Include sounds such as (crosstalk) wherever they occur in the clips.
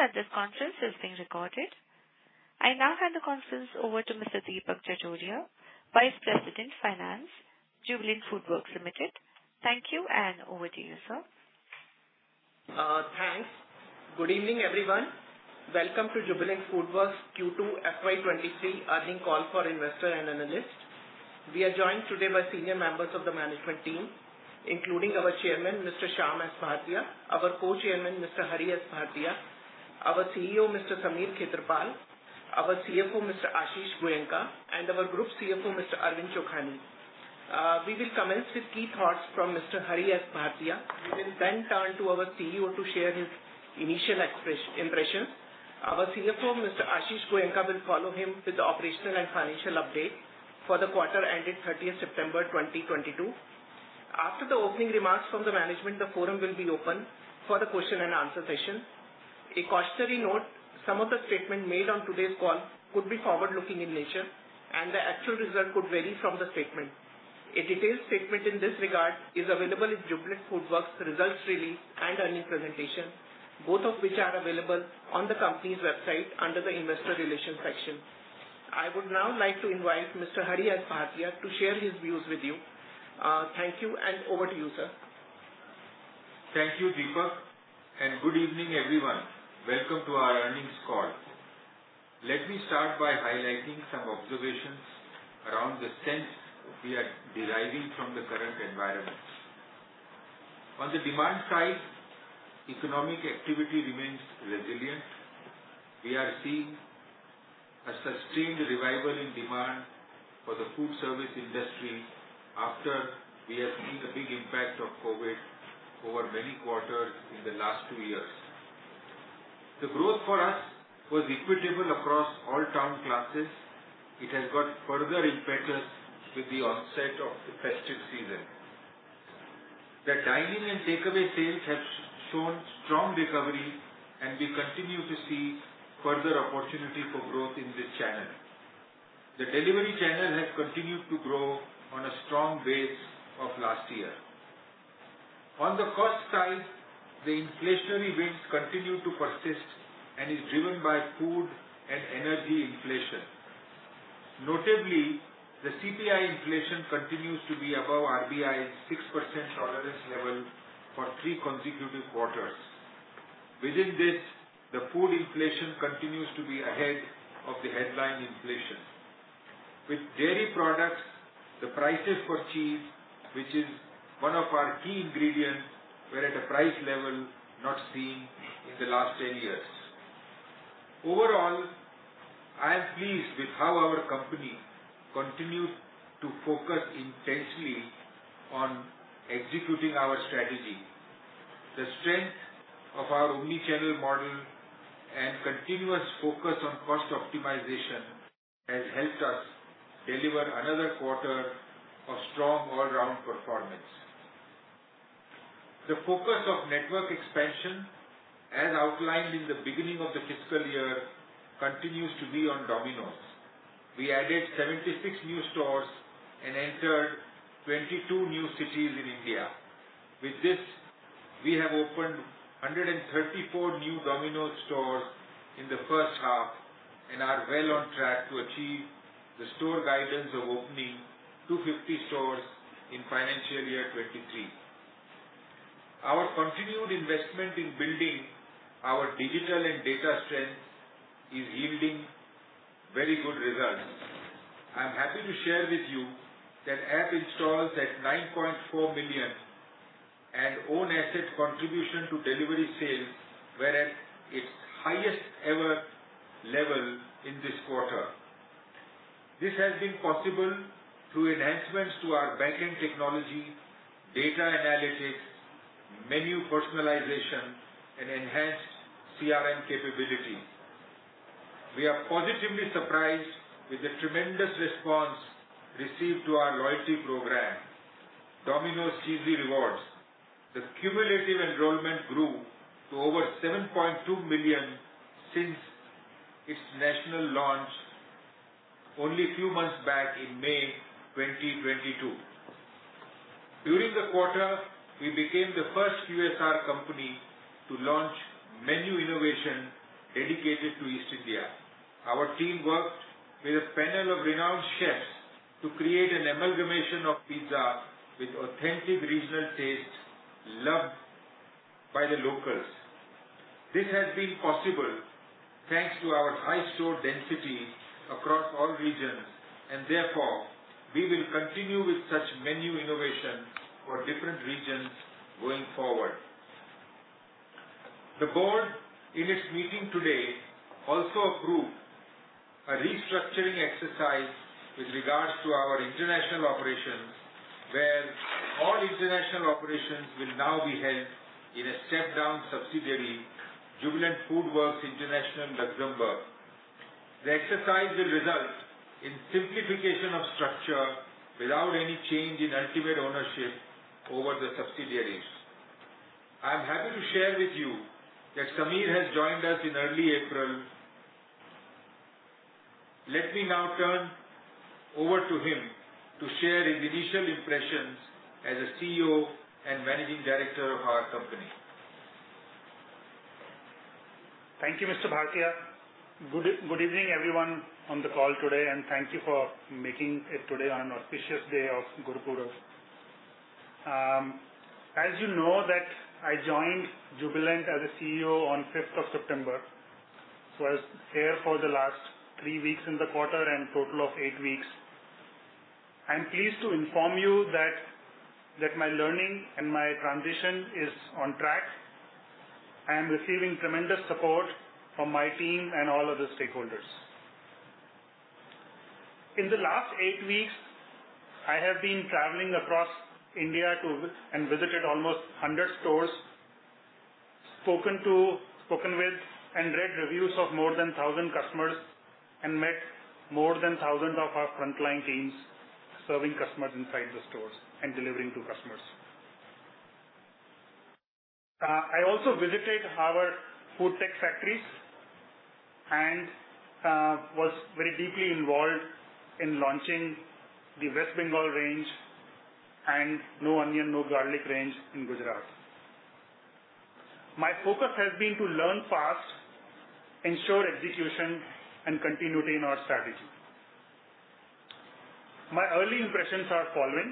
Please note that this conference is being recorded. I now hand the conference over to Mr. Deepak Jajodia, Vice President, Finance, Jubilant FoodWorks Limited. Thank you, and over to you, sir. Thanks. Good evening, everyone. Welcome to Jubilant FoodWorks Q2 FY23 earnings call for investor and analyst. We are joined today by senior members of the management team, including our chairman, Mr. Shyam S. Bhartia, our co-chairman, Mr. Hari S. Bhartia, our CEO, Mr. Sameer Khetarpal, our CFO, Mr. Ashish Goenka, our group CFO, Mr. Arvind Chokhani. We will commence with key thoughts from Mr. Hari S. Bhartia. We will turn to our CEO to share his initial impressions. Our CFO, Mr. Ashish Goenka, will follow him with the operational and financial update for the quarter ending 30th September 2022. After the opening remarks from the management, the forum will be open for the question and answer session. A cautionary note, some of the statements made on today's call could be forward-looking in nature, and the actual results could vary from the statement. A detailed statement in this regard is available in Jubilant FoodWorks results release and earnings presentation, both of which are available on the company's website under the investor relations section. I would now like to invite Mr. Hari S. Bhartia to share his views with you. Thank you, and over to you, sir. Thank you, Deepak. Good evening, everyone. Welcome to our earnings call. Let me start by highlighting some observations around the sense we are deriving from the current environment. On the demand side, economic activity remains resilient. We are seeing a sustained revival in demand for the food service industry after we have seen the big impact of COVID over many quarters in the last two years. The growth for us was equitable across all town classes. It has got further impetus with the onset of the festive season. The dine-in and takeaway sales have shown strong recovery. We continue to see further opportunity for growth in this channel. The delivery channel has continued to grow on a strong base of last year. On the cost side, the inflationary winds continue to persist and is driven by food and energy inflation. Notably, the CPI inflation continues to be above RBI's 6% tolerance level for three consecutive quarters. Within this, the food inflation continues to be ahead of the headline inflation. With dairy products, the prices for cheese, which is one of our key ingredients, were at a price level not seen in the last 10 years. Overall, I am pleased with how our company continued to focus intensely on executing our strategy. The strength of our omni-channel model and continuous focus on cost optimization has helped us deliver another quarter of strong all-round performance. The focus of network expansion, as outlined in the beginning of the fiscal year, continues to be on Domino's. We added 76 new stores and entered 22 new cities in India. With this, we have opened 134 new Domino's stores in the first half and are well on track to achieve the store guidance of opening 250 stores in FY 2023. Our continued investment in building our digital and data strengths is yielding very good results. I am happy to share with you that app installs at 9.4 million and own asset contribution to delivery sales were at its highest ever level in this quarter. This has been possible through enhancements to our back end technology, data analytics, menu personalization, and enhanced CRM capabilities. We are positively surprised with the tremendous response received to our loyalty program, Domino's Cheesy Rewards. The cumulative enrollment grew to over 7.2 million since its national launch only a few months back in May 2022. During the quarter, we became the first QSR company to launch menu innovation dedicated to East India. Our team worked with a panel of renowned chefs to create an amalgamation of pizza with authentic regional tastes loved by the locals. This has been possible thanks to our high store density across all regions, we will continue with such menu innovation for different regions going forward. The board, in its meeting today, also approved a restructuring exercise with regards to our international operations, where all international operations will now be held in a step-down subsidiary, Jubilant FoodWorks International Luxembourg. The exercise will result in simplification of structure without any change in ultimate ownership over the subsidiaries. I am happy to share with you that Sameer has joined us in early April. Let me now turn over to him to share his initial impressions as a CEO and Managing Director of our company. Thank you, Mr. Bhartia. Good evening everyone on the call today. Thank you for making it today on auspicious day of Gurpurab. As you know that I joined Jubilant as a CEO on 5th of September. I was there for the last 3 weeks in the quarter and total of 8 weeks. I'm pleased to inform you that my learning and my transition is on track. I am receiving tremendous support from my team and all other stakeholders. In the last 8 weeks, I have been traveling across India and visited almost 100 stores, spoken with and read reviews of more than 1,000 customers, and met more than 1,000 of our front-line teams serving customers inside the stores and delivering to customers. I also visited our food tech factories and was very deeply involved in launching the West Bengal range and no onion, no garlic range in Gujarat. My focus has been to learn fast, ensure execution, and continuity in our strategy. My early impressions are following.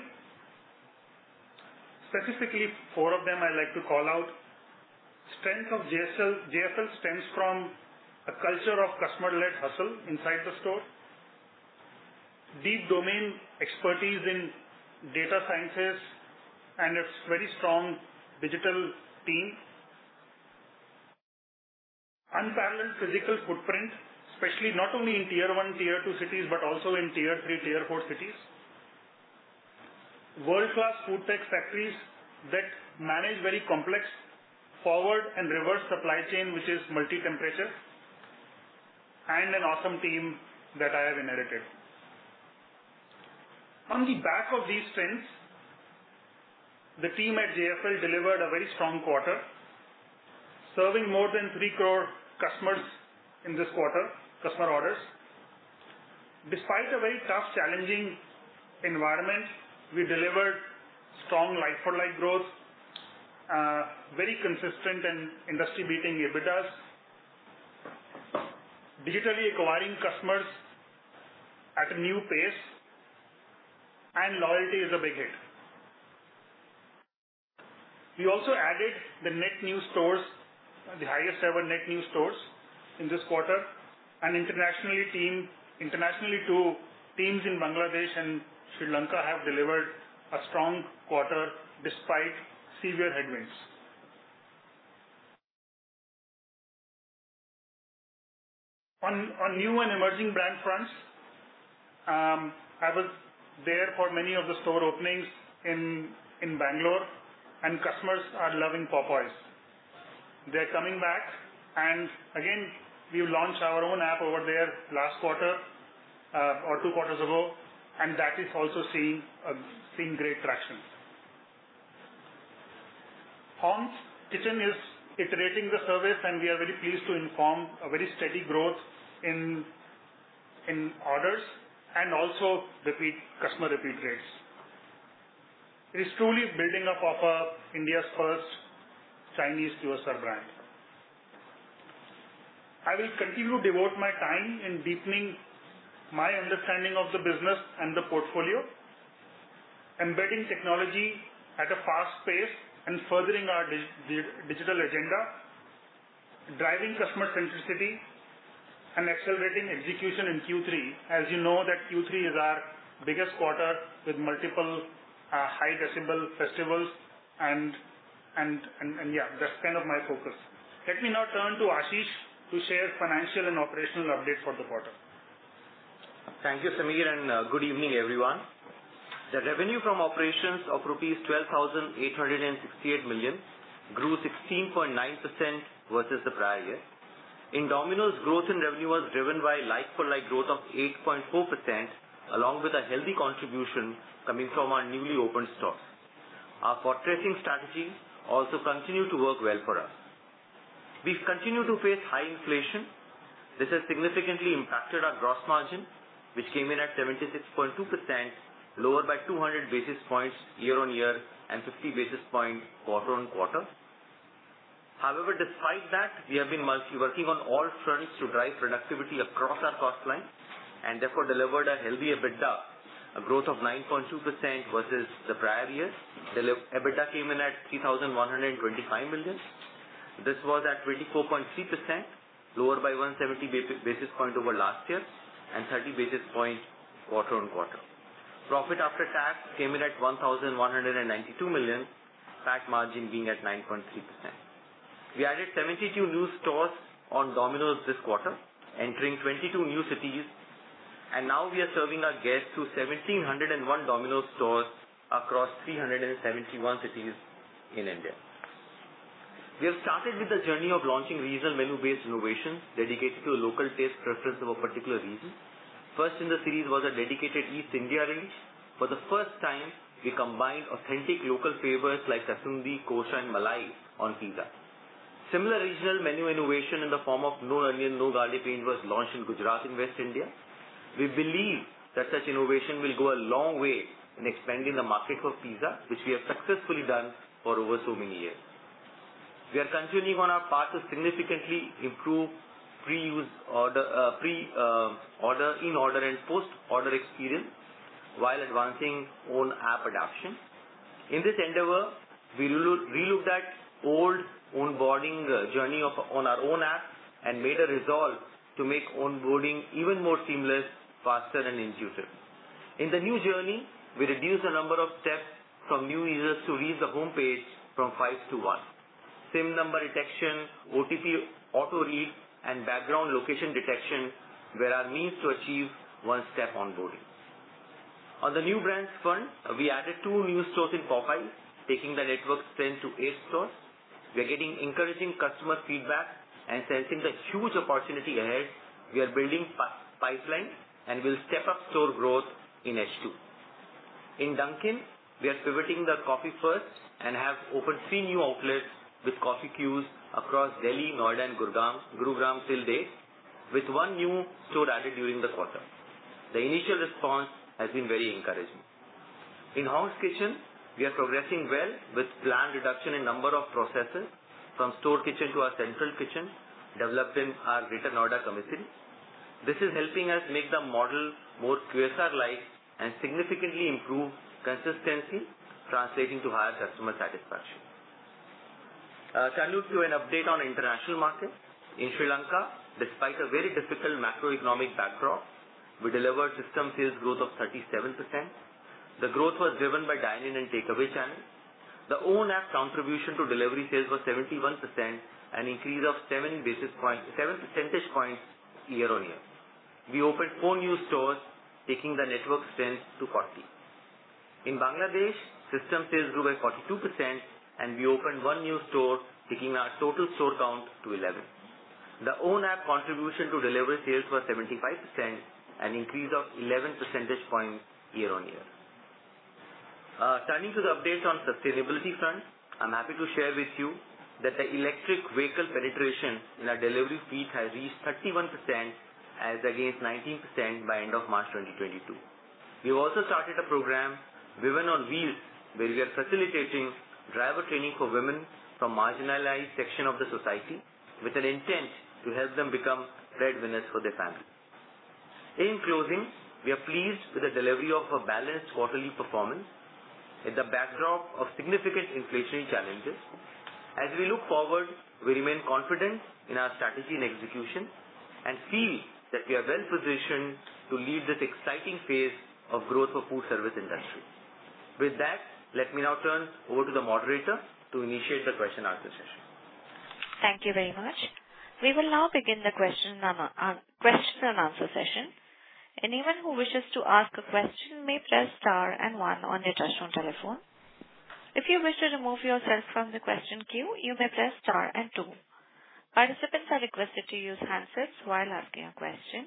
Specifically, four of them I like to call out. Strength of JFL stems from a culture of customer-led hustle inside the store. Deep domain expertise in data sciences and its very strong digital team. Unparalleled physical footprint, especially not only in tier 1, tier 2 cities, but also in tier 3, tier 4 cities. World-class food tech factories that manage very complex forward and reverse supply chain, which is multi-temperature, and an awesome team that I have inherited. On the back of these trends, the team at JFL delivered a very strong quarter, serving more than 3 crore customers in this quarter, customer orders. Despite a very tough challenging environment, we delivered strong like-for-like growth, very consistent and industry-beating EBITDA, digitally acquiring customers at a new pace, and loyalty is a big hit. We also added the net new stores, the highest ever net new stores in this quarter. Internationally too, teams in Bangladesh and Sri Lanka have delivered a strong quarter despite severe headwinds. On new and emerging brand fronts, I was there for many of the store openings in Bangalore. Customers are loving Popeyes. They're coming back. Again, we launched our own app over there last quarter, or 2 quarters ago, and that is also seeing great traction. Hong's Kitchen is iterating the service, and we are very pleased to inform a very steady growth in orders and also customer repeat rates. It is truly building up of India's first Chinese QSR brand. I will continue to devote my time in deepening my understanding of the business and the portfolio, embedding technology at a fast pace and furthering our digital agenda, driving customer centricity, and accelerating execution in Q3. As you know that Q3 is our biggest quarter with multiple high decibel festivals. That's kind of my focus. Let me now turn to Ashish to share financial and operational update for the quarter. Thank you, Sameer, and good evening everyone. The revenue from operations of rupees 12,868 million grew 16.9% versus the prior year. In Domino's, growth in revenue was driven by like-for-like growth of 8.4%, along with a healthy contribution coming from our newly opened stores. Our fortressing strategies also continue to work well for us. We've continued to face high inflation. This has significantly impacted our gross margin, which came in at 76.2%, lower by 200 basis points year-on-year and 50 basis points quarter-on-quarter. Despite that, we have been working on all fronts to drive productivity across our cost line and therefore delivered a healthy EBITDA, a growth of 9.2% versus the prior year. EBITDA came in at 3,125 million. This was at 24.3%, lower by 170 basis points over last year and 30 basis points quarter-on-quarter. Profit after tax came in at 1,192 million, PAT margin being at 9.3%. We added 72 new stores on Domino's this quarter, entering 22 new cities, and now we are serving our guests through 1,701 Domino's stores across 371 cities in India. We have started with the journey of launching regional menu-based innovations dedicated to the local taste preference of a particular region. First in the series was a dedicated East India release. For the first time, we combined authentic local flavors like Kasundi, Kosha, and Malai on pizza. Similar regional menu innovation in the form of no onion, no garlic paneer was launched in Gujarat in West India. We believe that such innovation will go a long way in expanding the market for pizza, which we have successfully done for over so many years. We are continuing on our path to significantly improve pre-order, in-order, and post-order experience while advancing own app adoption. In this endeavor, we relooked at old onboarding journey on our own app and made a resolve to make onboarding even more seamless, faster, and intuitive. In the new journey, we reduced the number of steps from new users to reach the homepage from five to one. SIM number detection, OTP auto-read, and background location detection were our means to achieve one-step onboarding. On the new brands front, we added two new stores in Popeyes, taking the network strength to eight stores. We are getting encouraging customer feedback and sensing the huge opportunity ahead. We are building pipelines and will step up store growth in H2. In Dunkin', we are pivoting the coffee first and have opened three new outlets with coffee queues across Delhi, Noida, and Gurugram till date, with one new store added during the quarter. The initial response has been very encouraging. In Hong's Kitchen, we are progressing well with planned reduction in number of processes from store kitchen to our central kitchen, developing our return order competency. This is helping us make the model more QSR-like and significantly improve consistency, translating to higher customer satisfaction. Turning to an update on international markets. In Sri Lanka, despite a very difficult macroeconomic backdrop, we delivered system sales growth of 37%. The growth was driven by dine-in and takeaway channels. The own app contribution to delivery sales was 71%, an increase of seven percentage points year-on-year. We opened four new stores, taking the network strength to 40. In Bangladesh, system sales grew by 42% and we opened one new store, taking our total store count to 11. The own app contribution to delivery sales was 75%, an increase of 11 percentage points year-over-year. Turning to the updates on sustainability front. I am happy to share with you that the electric vehicle penetration in our delivery fleet has reached 31% as against 19% by end of March 2022. We have also started a program, Women on Wheels, where we are facilitating driver training for women from marginalized section of the society with an intent to help them become breadwinners for their family. In closing, we are pleased with the delivery of a balanced quarterly performance in the backdrop of significant inflationary challenges. We look forward, we remain confident in our strategy and execution and feel that we are well-positioned to lead this exciting phase of growth for food service industry. With that, let me now turn over to the moderator to initiate the question and answer session. Thank you very much. We will now begin the question and answer session. Anyone who wishes to ask a question may press star and 1 on your touchtone telephone. If you wish to remove yourself from the question queue, you may press star and 2. Participants are requested to use handsets while asking a question.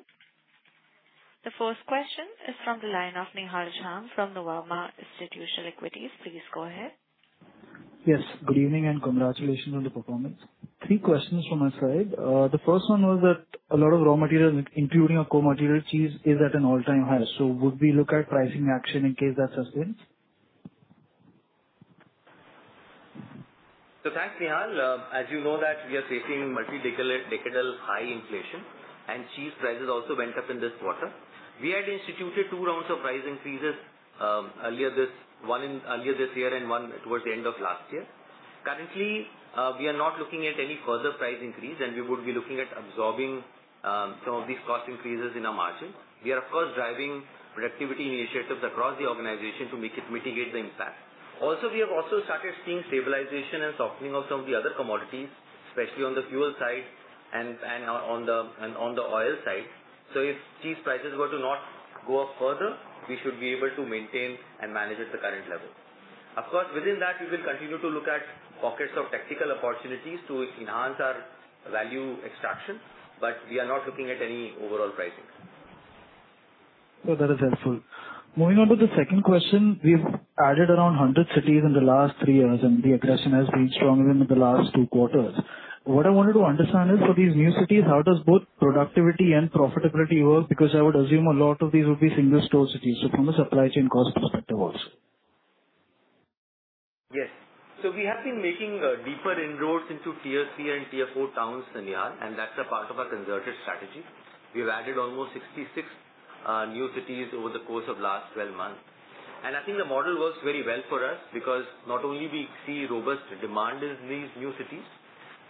The first question is from the line of Nihal Jham from Nuvama Institutional Equities. Please go ahead. Yes, good evening and congratulations on the performance. Three questions from my side. The first one was that a lot of raw materials, including a core material, cheese, is at an all-time high. Would we look at pricing action in case that sustains? Thanks, Nihal. As you know that we are facing multi-decadal high inflation, and cheese prices also went up in this quarter. We had instituted two rounds of price increases, one earlier this year and one towards the end of last year. Currently, we are not looking at any further price increase, and we would be looking at absorbing some of these cost increases in our margins. We are, of course, driving productivity initiatives across the organization to mitigate the impact. We have also started seeing stabilization and softening of some of the other commodities, especially on the fuel side and on the oil side. If cheese prices were to not go up further, we should be able to maintain and manage at the current level. Of course, within that, we will continue to look at pockets of tactical opportunities to enhance our value extraction, but we are not looking at any overall pricing. No, that is helpful. Moving on to the second question. We've added around 100 cities in the last three years, and the aggression has been stronger in the last two quarters. What I wanted to understand is for these new cities, how does both productivity and profitability work? I would assume a lot of these would be single-store cities, so from a supply chain cost perspective also. Yes. We have been making deeper inroads into tier 3 and tier 4 towns, Nihal, and that's a part of our concerted strategy. We've added almost 66 new cities over the course of last 12 months. I think the model works very well for us because not only we see robust demand in these new cities,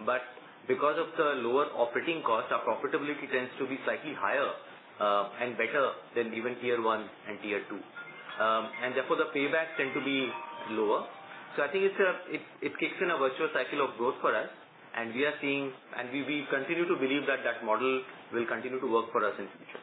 but because of the lower operating costs, our profitability tends to be slightly higher, and better than even tier 1 and tier 2. Therefore, the paybacks tend to be lower. I think it kicks in a virtual cycle of growth for us, and we continue to believe that that model will continue to work for us in future.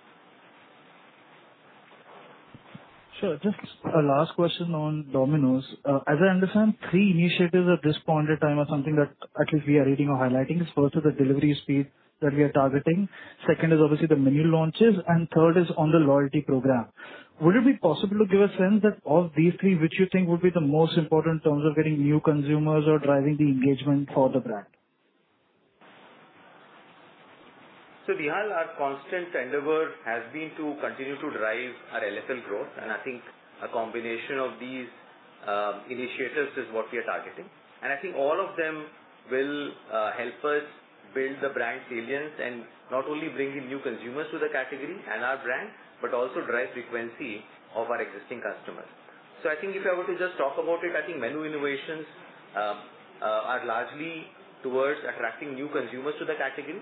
Sure. Just a last question on Domino's. As I understand, three initiatives at this point in time are something that at least we are reading or highlighting. First is the delivery speed that we are targeting, second is obviously the menu launches. Third is on the loyalty program. Would it be possible to give a sense that of these three, which you think would be the most important in terms of getting new consumers or driving the engagement for the brand? Nihal, our constant endeavor has been to continue to drive our LFL growth. I think a combination of these initiatives is what we are targeting. I think all of them will help us build the brand salience and not only bring in new consumers to the category and our brand, but also drive frequency of our existing customers. I think if I were to just talk about it, I think menu innovations are largely towards attracting new consumers to the category.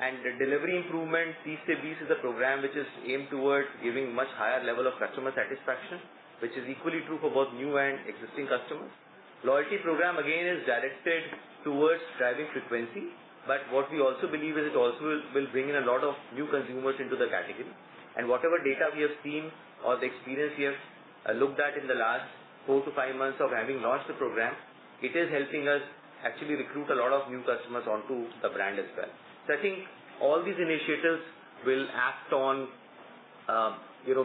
The delivery improvement, Tees Se Bees is a program which is aimed towards giving much higher level of customer satisfaction, which is equally true for both new and existing customers. Loyalty program, again, is directed towards driving frequency, but what we also believe is it also will bring in a lot of new consumers into the category. Whatever data we have seen or the experience we have looked at in the last four to five months of having launched the program, it is helping us actually recruit a lot of new customers onto the brand as well. I think all these initiatives will act on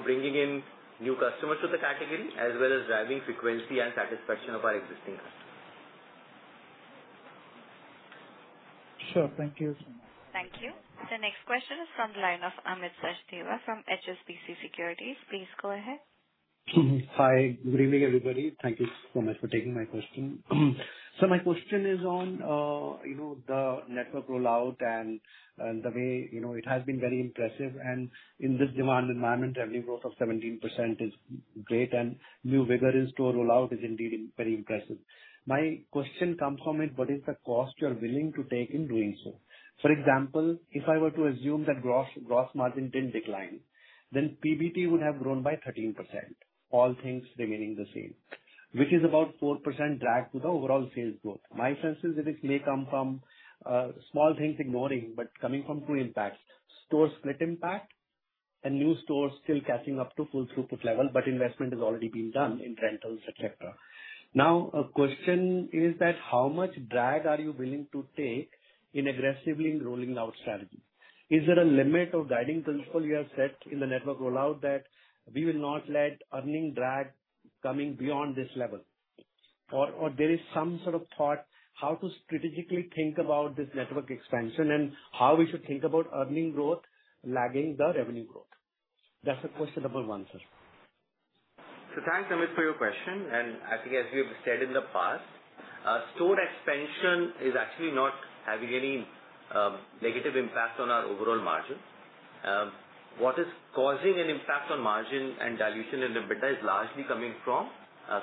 bringing in new customers to the category as well as driving frequency and satisfaction of our existing customers. Sure. Thank you. Thank you. The next question is from the line of Amit Sachdeva from HSBC Securities. Please go ahead. Hi. Good evening, everybody. Thank you so much for taking my question. My question is on the network rollout and the way it has been very impressive. In this demand environment, revenue growth of 17% is great and new vigor in store rollout is indeed very impressive. My question comes from it, what is the cost you're willing to take in doing so? For example, if I were to assume that gross margin didn't decline, then PBT would have grown by 13%, all things remaining the same, which is about 4% drag to the overall sales growth. My sense is that this may come from small things ignoring, but coming from two impacts, store split impact and new stores still catching up to full throughput level, but investment is already being done in rentals, et cetera. A question is that how much drag are you willing to take in aggressively rolling out strategy? Is there a limit or guiding principle you have set in the network rollout that we will not let earning drag coming beyond this level? There is some sort of thought how to strategically think about this network expansion and how we should think about earning growth lagging the revenue growth? That's a question number one, sir. Thanks, Amit, for your question, and I think as we have said in the past, store expansion is actually not having any negative impact on our overall margin. What is causing an impact on margin and dilution in EBITDA is largely coming from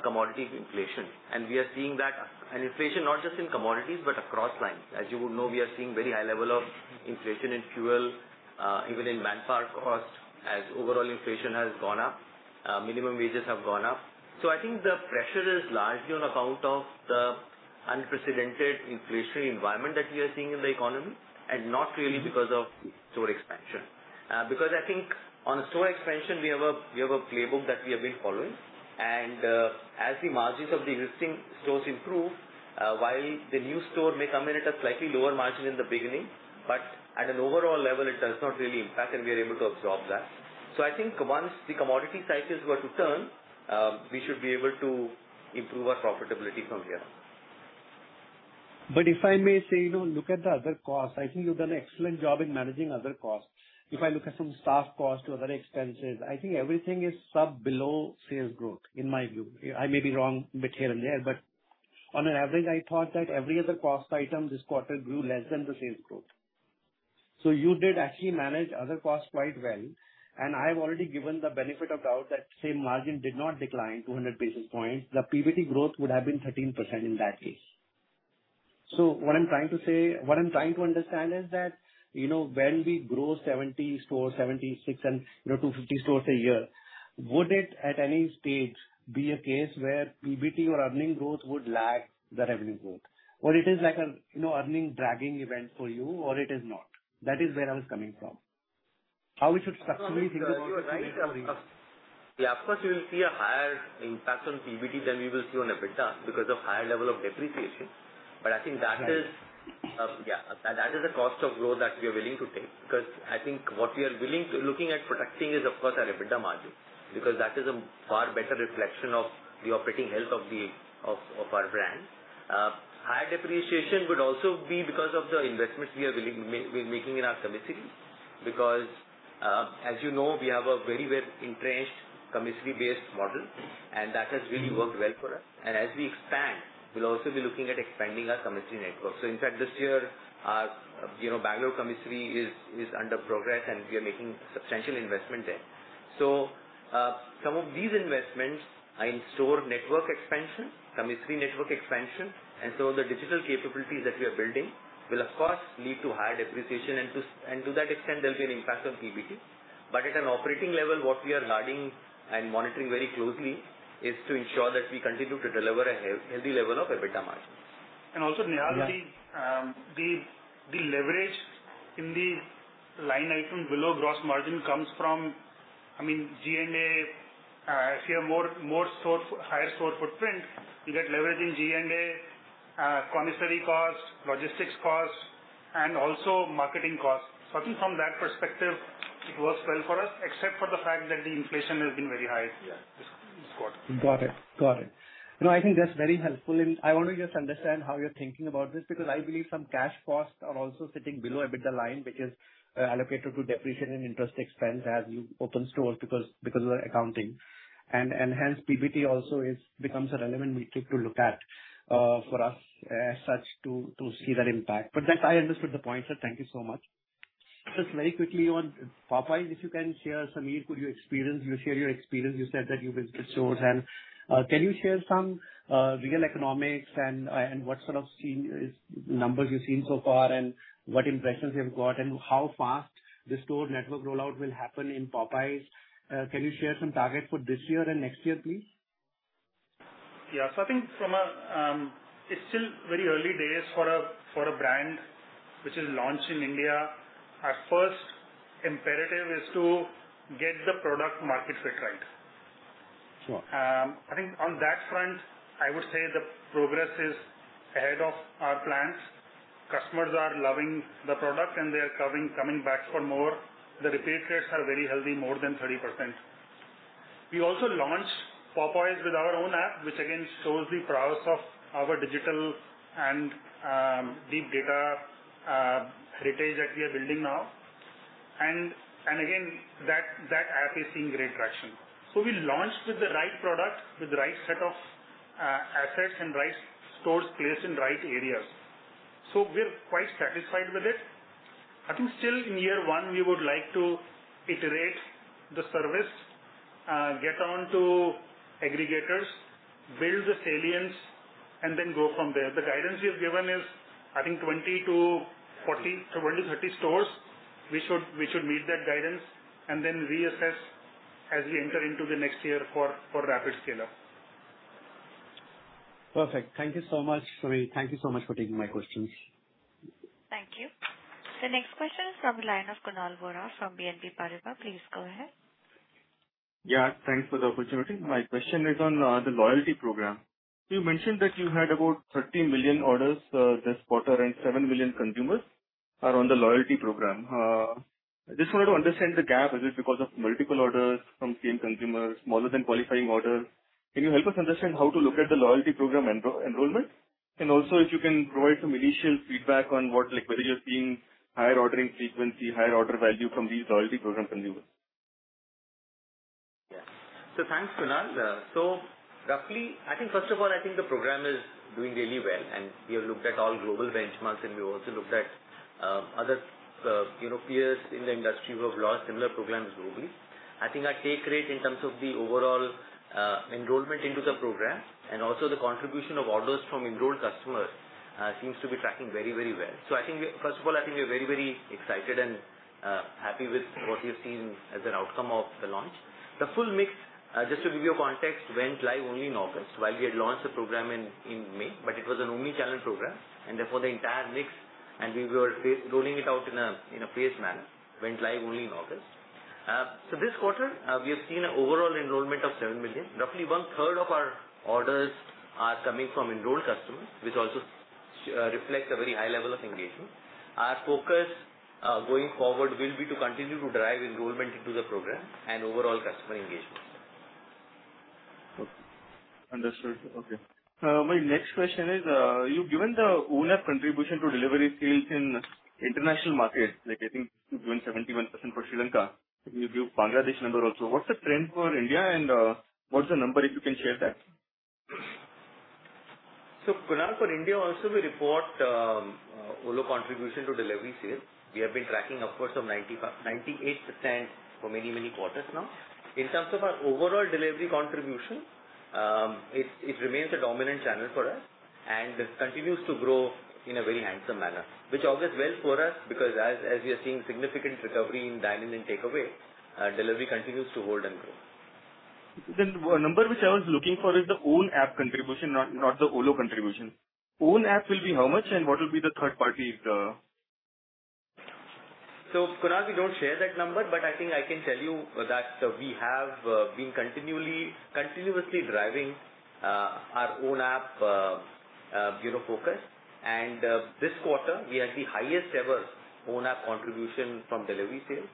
commodity inflation. We are seeing that an inflation not just in commodities, but across lines. As you would know, we are seeing very high level of inflation in fuel, even in manpower cost, as overall inflation has gone up, minimum wages have gone up. I think the pressure is largely on account of the unprecedented inflationary environment that we are seeing in the economy and not really because of store expansion. I think on store expansion, we have a playbook that we have been following, as the margins of the existing stores improve, while the new store may come in at a slightly lower margin in the beginning, at an overall level, it does not really impact, and we are able to absorb that. I think once the commodity cycles were to turn, we should be able to improve our profitability from here. If I may say, look at the other costs. I think you've done an excellent job in managing other costs. If I look at some staff costs or other expenses, I think everything is sub below sales growth, in my view. I may be wrong bit here and there, on an average, I thought that every other cost item this quarter grew less than the sales growth. You did actually manage other costs quite well, I've already given the benefit of doubt that same margin did not decline 200 basis points. The PBT growth would have been 13% in that case. What I'm trying to understand is that, when we grow 70 stores, 76 and 250 stores a year, would it at any stage be a case where PBT or earning growth would lag the revenue growth? Is it like an earning dragging event for you or it is not? That is where I was coming from. How we should structurally think about Yeah, of course, you will see a higher impact on PBT than we will see on EBITDA because of higher level of depreciation. I think that is Right. That is a cost of growth that we are willing to looking at protecting is, of course, our EBITDA margin, because that is a far better reflection of the operating health of our brand. Higher depreciation would also be because of the investments we are making in our commissary, because, as you know, we have a very well-entrenched commissary-based model, and that has really worked well for us. As we expand, we'll also be looking at expanding our commissary network. In fact, this year, our Bangalore commissary is under progress, and we are making substantial investment there. Some of these investments are in store network expansion, commissary network expansion, the digital capabilities that we are building will, of course, lead to higher depreciation, and to that extent, there'll be an impact on PBT. At an operating level, what we are guarding and monitoring very closely is to ensure that we continue to deliver a healthy level of EBITDA margins. Also, Neal, Yeah. The leverage in the line item below gross margin comes from G&A. If you have higher store footprint, you get leverage in G&A, commissary costs, logistics costs, and also marketing costs. I think from that perspective, it works well for us, except for the fact that the inflation has been very high. Yeah. Got it. I think that's very helpful. I want to just understand how you're thinking about this because I believe some cash costs are also sitting below EBITDA line which is allocated to depreciation and interest expense as you open stores because of the accounting and hence PBT also becomes a relevant metric to look at for us as such to see that impact. Thanks, I understood the point, sir. Thank you so much. Just very quickly on Popeyes, if you can share, Sameer, could you share your experience? You said that you visited stores and can you share some real economics and what sort of numbers you've seen so far, and what impressions you have got and how fast the store network rollout will happen in Popeyes? Can you share some target for this year and next year, please? Yeah. I think it's still very early days for a brand which is launched in India. Our first imperative is to get the product market fit right. Sure. I think on that front, I would say the progress is ahead of our plans. Customers are loving the product and they're coming back for more. The repeat rates are very healthy, more than 30%. We also launched Popeyes with our own app, which again shows the prowess of our digital and deep data heritage that we are building now. Again, that app is seeing great traction. We launched with the right product, with the right set of assets and right stores placed in right areas. We're quite satisfied with it. I think still in year one, we would like to iterate the service, get onto aggregators, build the salience, and then go from there. The guidance we have given is, I think 20-30 stores. We should meet that guidance and then reassess as we enter into the next year for rapid scale-up. Perfect. Thank you so much, Sameer. Thank you so much for taking my questions. Thank you. The next question is from the line of Kunal Vora from BNP Paribas. Please go ahead. Yeah, thanks for the opportunity. My question is on the loyalty program. You mentioned that you had about 30 million orders this quarter and 7 million consumers are on the loyalty program. I just wanted to understand the gap. Is it because of multiple orders from same consumers, smaller than qualifying orders? Can you help us understand how to look at the loyalty program enrollment? Also, if you can provide some initial feedback on whether you're seeing higher ordering frequency, higher order value from these loyalty program consumers. Yeah. Thanks, Kunal. Roughly, I think first of all, I think the program is doing really well and we have looked at all global benchmarks and we've also looked at other peers in the industry who have launched similar programs globally. I think our take rate in terms of the overall enrollment into the program and also the contribution of orders from enrolled customers seems to be tracking very well. First of all, I think we're very excited and happy with what we've seen as an outcome of the launch. The full mix, just to give you a context, went live only in August while we had launched the program in May, but it was an omni-channel program and therefore the entire mix, and we were rolling it out in a phased manner, went live only in August. This quarter, we have seen an overall enrollment of 7 million. Roughly one-third of our orders are coming from enrolled customers, which also reflects a very high level of engagement. Our focus going forward will be to continue to drive enrollment into the program and overall customer engagement. Understood. Okay. My next question is, you've given the owner contribution to delivery sales in international markets, like I think you've given 71% for Sri Lanka. Can you give Bangladesh number also? What's the trend for India and what's the number, if you can share that? Kunal, for India also we report OLO contribution to delivery sales. We have been tracking upwards of 98% for many quarters now. In terms of our overall delivery contribution, it remains a dominant channel for us and continues to grow in a very handsome manner, which augurs well for us because as we are seeing significant recovery in dine-in and takeaway, delivery continues to hold and grow. The number which I was looking for is the own app contribution, not the OLO contribution. Own app will be how much and what will be the third party? Kunal, we don't share that number, but I think I can tell you that we have been continuously driving our own app focus. This quarter we had the highest ever own app contribution from delivery sales.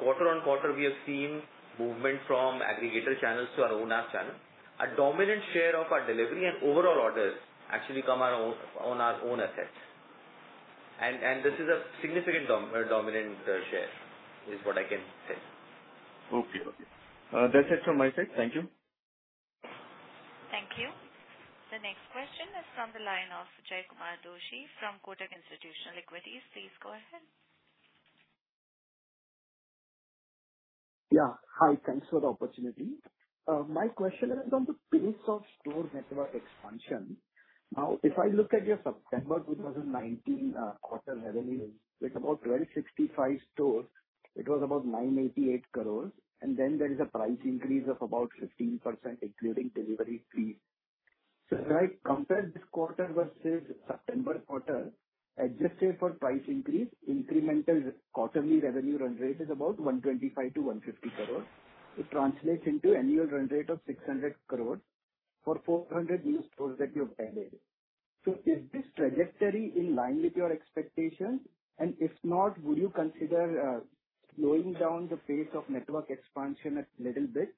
Quarter on quarter we have seen movement from aggregator channels to our own app channel. A dominant share of our delivery and overall orders actually come on our own assets. This is a significant dominant share, is what I can say. Okay. That's it from my side. Thank you. Thank you. The next question is from the line of Jaykumar Doshi from Kotak Institutional Equities. Please go ahead. Hi. Thanks for the opportunity. My question is on the pace of store network expansion. Now, if I look at your September 2019 quarter revenue with about 1,265 stores, it was about 988 crore, and then there is a price increase of about 15% including delivery fees. When I compare this quarter versus September quarter, adjusted for price increase, incremental quarterly revenue run rate is about 125 crore-150 crore. It translates into annual run rate of 600 crore for 400 new stores that you've added. Is this trajectory in line with your expectations? If not, would you consider slowing down the pace of network expansion a little bit?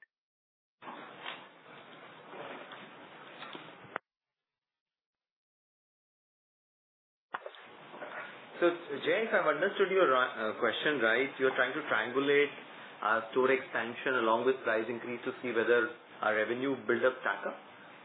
Jaykumar, I've understood your question, right? You're trying to triangulate our store expansion along with price increase to see whether our revenue build-ups stack up.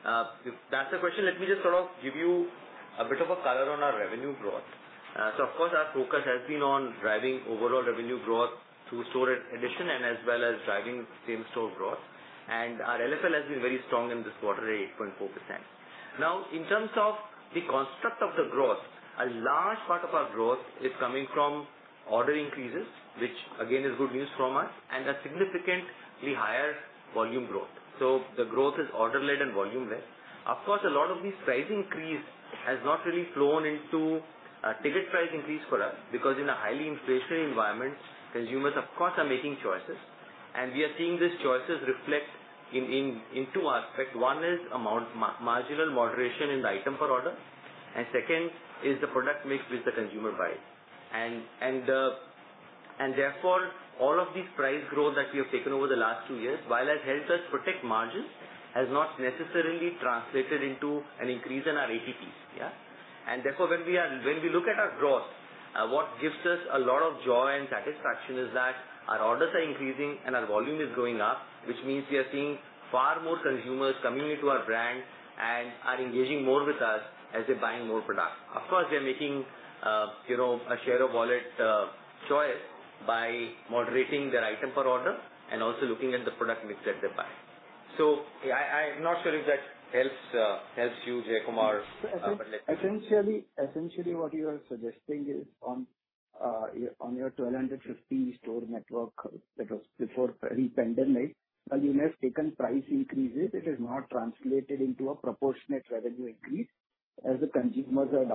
If that's the question, let me just sort of give you a bit of a color on our revenue growth. Of course, our focus has been on driving overall revenue growth through store addition and as well as driving same-store growth. Our LFL has been very strong in this quarter at 8.4%. In terms of the construct of the growth, a large part of our growth is coming from order increases, which again is good news from us, and a significantly higher volume growth. The growth is order-led and volume-led. A lot of this price increase has not really flown into a ticket price increase for us because in a highly inflationary environment, consumers of course, are making choices. We are seeing these choices reflect in two aspects. One is marginal moderation in the item per order, and second is the product mix which the consumer buys. All of this price growth that we have taken over the last two years, while it has helped us protect margins, has not necessarily translated into an increase in our ATPs. When we look at our growth, what gives us a lot of joy and satisfaction is that our orders are increasing and our volume is going up, which means we are seeing far more consumers coming into our brand and are engaging more with us as they're buying more product. They're making a share of wallet choice by moderating their item per order and also looking at the product mix that they're buying. I'm not sure if that helps you, Jaykumar. Essentially what you are suggesting is on your 1,250 store network that was before pre-pandemic, you have taken price increases, it has not translated into a proportionate revenue increase as the consumers are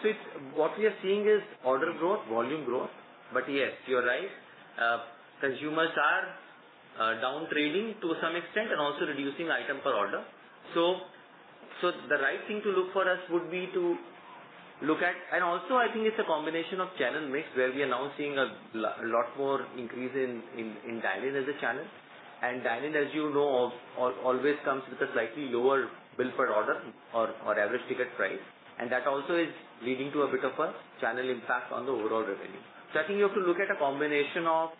downtrading. What we are seeing is order growth, volume growth. Yes, you're right. Consumers are downtrading to some extent and also reducing item per order. I think it's a combination of channel mix where we are now seeing a lot more increase in dine-in as a channel. Dine-in, as you know, always comes with a slightly lower bill per order or average ticket price. That also is leading to a bit of a channel impact on the overall revenue. I think you have to look at a combination of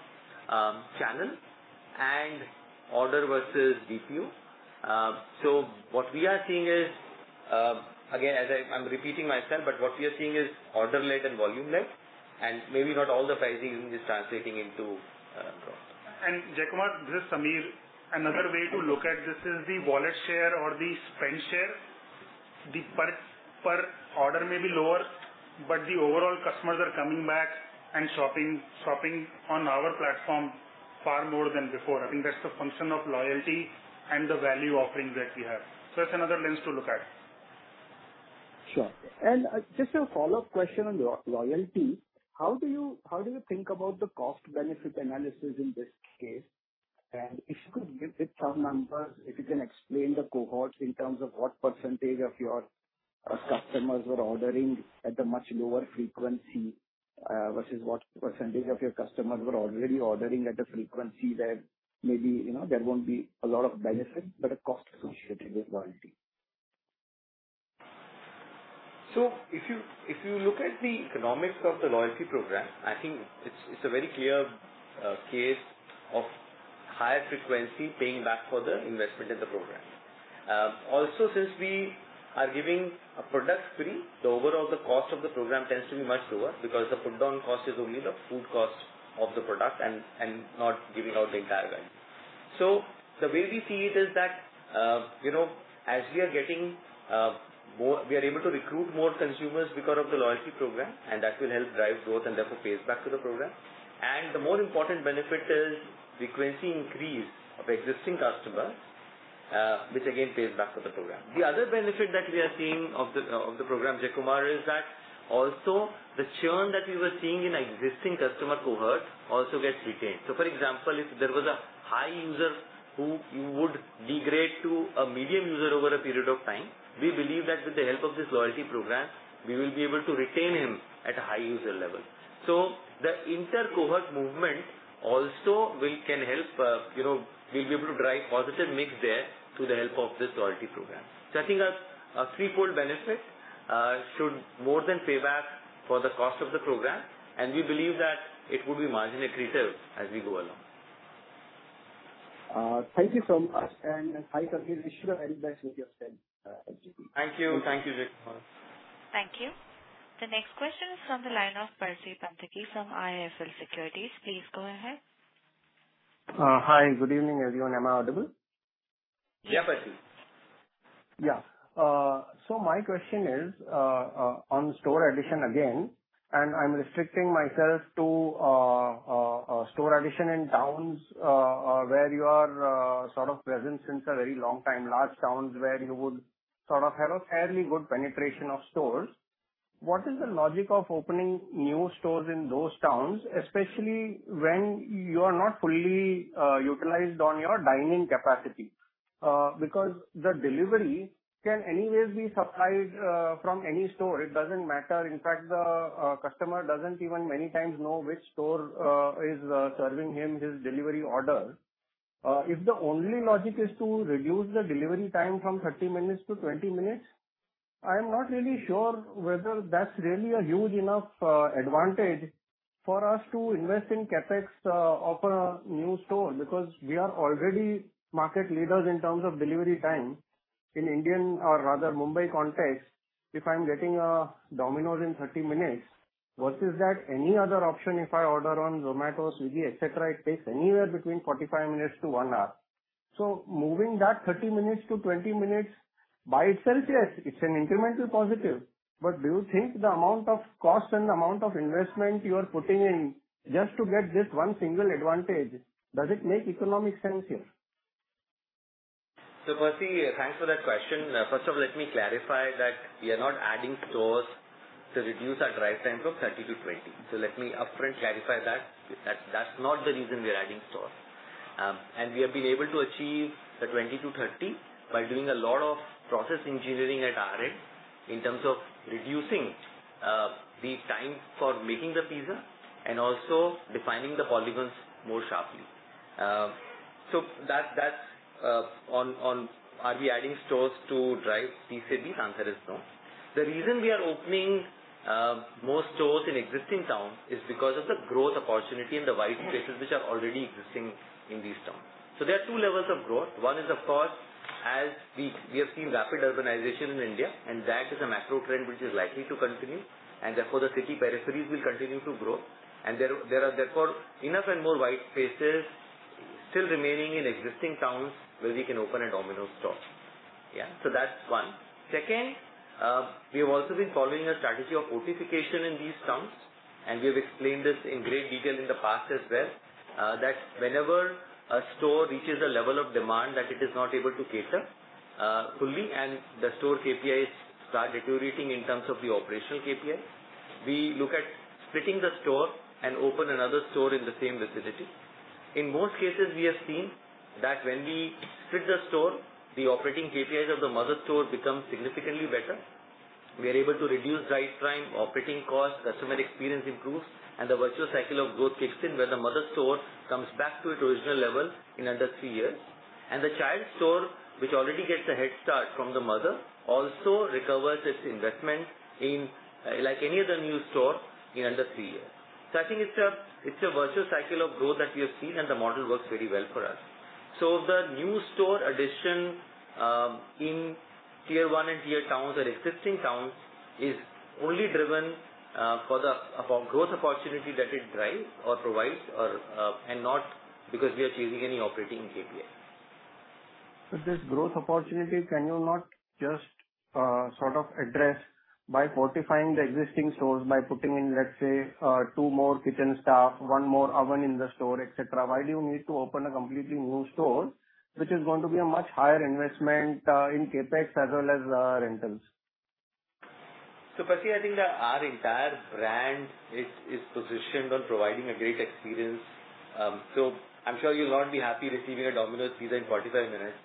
channel and order versus DPU. What we are seeing is, again, I'm repeating myself, but what we are seeing is order-led and volume-led, and maybe not all the pricing is translating into growth. Jaykumar, this is Sameer. Another way to look at this is the wallet share or the spend share. The price per order may be lower, but the overall customers are coming back and shopping on our platform far more than before. I think that's the function of loyalty and the value offering that we have. That's another lens to look at. Sure. Just a follow-up question on loyalty. How do you think about the cost-benefit analysis in this case? If you could give some numbers, if you can explain the cohorts in terms of what % of your customers were ordering at a much lower frequency, versus what % of your customers were already ordering at a frequency that maybe there won't be a lot of benefit, but a cost associated with loyalty. If you look at the economics of the loyalty program, I think it's a very clear case of higher frequency paying back for the investment in the program. Also, since we are giving a product free, the overall cost of the program tends to be much lower because the put-down cost is only the food cost of the product and not giving out the entire value. The way we see it is that as we are able to recruit more consumers because of the loyalty program, that will help drive growth and therefore pays back to the program. The more important benefit is frequency increase of existing customers, which again, pays back to the program. The other benefit that we are seeing of the program, Jaykumar, is that also the churn that we were seeing in existing customer cohorts also gets retained. For example, if there was a high user who would degrade to a medium user over a period of time, we believe that with the help of this loyalty program, we will be able to retain him at a high user level. The inter-cohort movement also we'll be able to drive positive mix there through the help of this loyalty program. I think a threefold benefit should more than pay back for the cost of the program, and we believe that it would be margin accretive as we go along. Thank you so much. Hi, Sameer. Wish you the very best with your spend. Thank you. Thank you, Jaykumar. Thank you. The next question is from the line of Percy Panthaki from IIFL Securities. Please go ahead. Hi, good evening, everyone. Am I audible? Yeah, Percy. Yeah. My question is on store addition again, and I'm restricting myself to store addition in towns where you are sort of present since a very long time, large towns where you would sort of have a fairly good penetration of stores. What is the logic of opening new stores in those towns, especially when you are not fully utilized on your dining capacity? Because the delivery can anyways be supplied from any store. It doesn't matter. In fact, the customer doesn't even many times know which store is serving him his delivery order. If the only logic is to reduce the delivery time from 30 minutes to 20 minutes, I am not really sure whether that's really a huge enough advantage for us to invest in CapEx of a new store, because we are already market leaders in terms of delivery time in Indian or rather Mumbai context. If I'm getting a Domino's in 30 minutes, versus that any other option if I order on Zomato, Swiggy, et cetera, it takes anywhere between 45 minutes to one hour. Moving that 30 minutes to 20 minutes by itself, yes, it's an incremental positive, but do you think the amount of cost and the amount of investment you are putting in just to get this one single advantage, does it make economic sense here? Percy, thanks for that question. First of let me clarify that we are not adding stores to reduce our drive time from 30 to 20. Let me upfront clarify that's not the reason we are adding stores. We have been able to achieve the 20 to 30 by doing a lot of process engineering at our end in terms of reducing the time for making the pizza and also defining the polygons more sharply. That's on are we adding stores to drive TCB? The answer is no. The reason we are opening more stores in existing towns is because of the growth opportunity and the white spaces which are already existing in these towns. There are two levels of growth. One is, of course, as we have seen rapid urbanization in India. That is a macro trend which is likely to continue. Therefore, the city peripheries will continue to grow. There are therefore enough and more white spaces still remaining in existing towns where we can open a Domino's store. That's one. Second, we have also been following a strategy of fortification in these towns. We have explained this in great detail in the past as well. That whenever a store reaches a level of demand that it is not able to cater fully and the store KPIs start deteriorating in terms of the operational KPI, we look at splitting the store and open another store in the same vicinity. In most cases, we have seen that when we split the store, the operating KPIs of the mother store become significantly better. We are able to reduce drive time, operating cost, customer experience improves. The virtual cycle of growth kicks in where the mother store comes back to its original level in under three years. The child store, which already gets a head start from the mother, also recovers its investment in like any other new store in under three years. I think it's a virtual cycle of growth that we have seen. The model works very well for us. The new store addition in tier 1 and tier towns or existing towns is only driven for the growth opportunity that it drives or provides and not because we are changing any operating KPI. This growth opportunity, can you not just sort of address by fortifying the existing stores by putting in, let's say, two more kitchen staff, one more oven in the store, et cetera? Why do you need to open a completely new store, which is going to be a much higher investment in CapEx as well as rentals? Percy, I think that our entire brand is positioned on providing a great experience. I'm sure you will not be happy receiving a Domino's pizza in 45 minutes.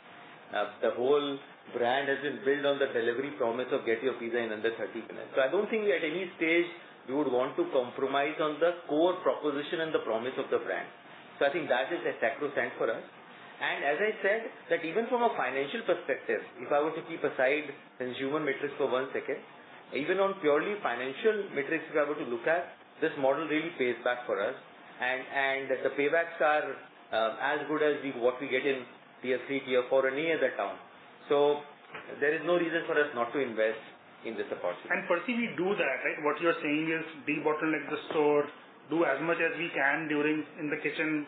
The whole brand has been built on the delivery promise of get your pizza in under 30 minutes. I don't think at any stage we would want to compromise on the core proposition and the promise of the brand. I think that is a sacrosanct for us. As I said, that even from a financial perspective, if I were to keep aside consumer metrics for one second, even on purely financial metrics, if you are able to look at this model really pays back for us and the paybacks are as good as what we get in tier 3, tier 4, any other town. There is no reason for us not to invest in this opportunity. Percy, we do that, right? What you are saying is de-bottleneck the store, do as much as we can during in the kitchen.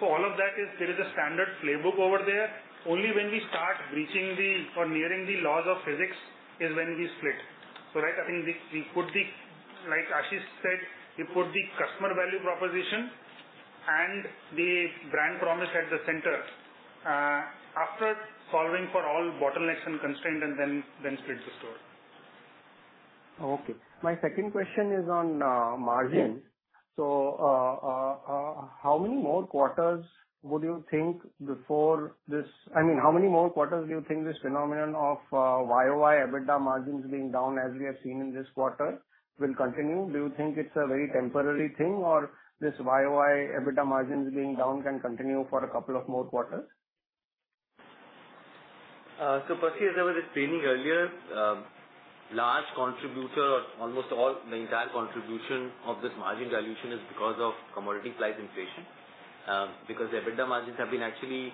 All of that is there is a standard playbook over there. Only when we start breaching or nearing the laws of physics is when we split. Right, I think we put the, like Ashish said, we put the customer value proposition and the brand promise at the center, after solving for all bottlenecks and constraint and then split the store. Okay. My second question is on margins. Yeah. How many more quarters would you think before how many more quarters do you think this phenomenon of year-over-year EBITDA margins being down as we have seen in this quarter will continue? Do you think it's a very temporary thing or this year-over-year EBITDA margins being down can continue for a couple of more quarters? Percy, as I was explaining earlier, large contributor or almost all the entire contribution of this margin dilution is because of commodity price inflation. The EBITDA margins have been actually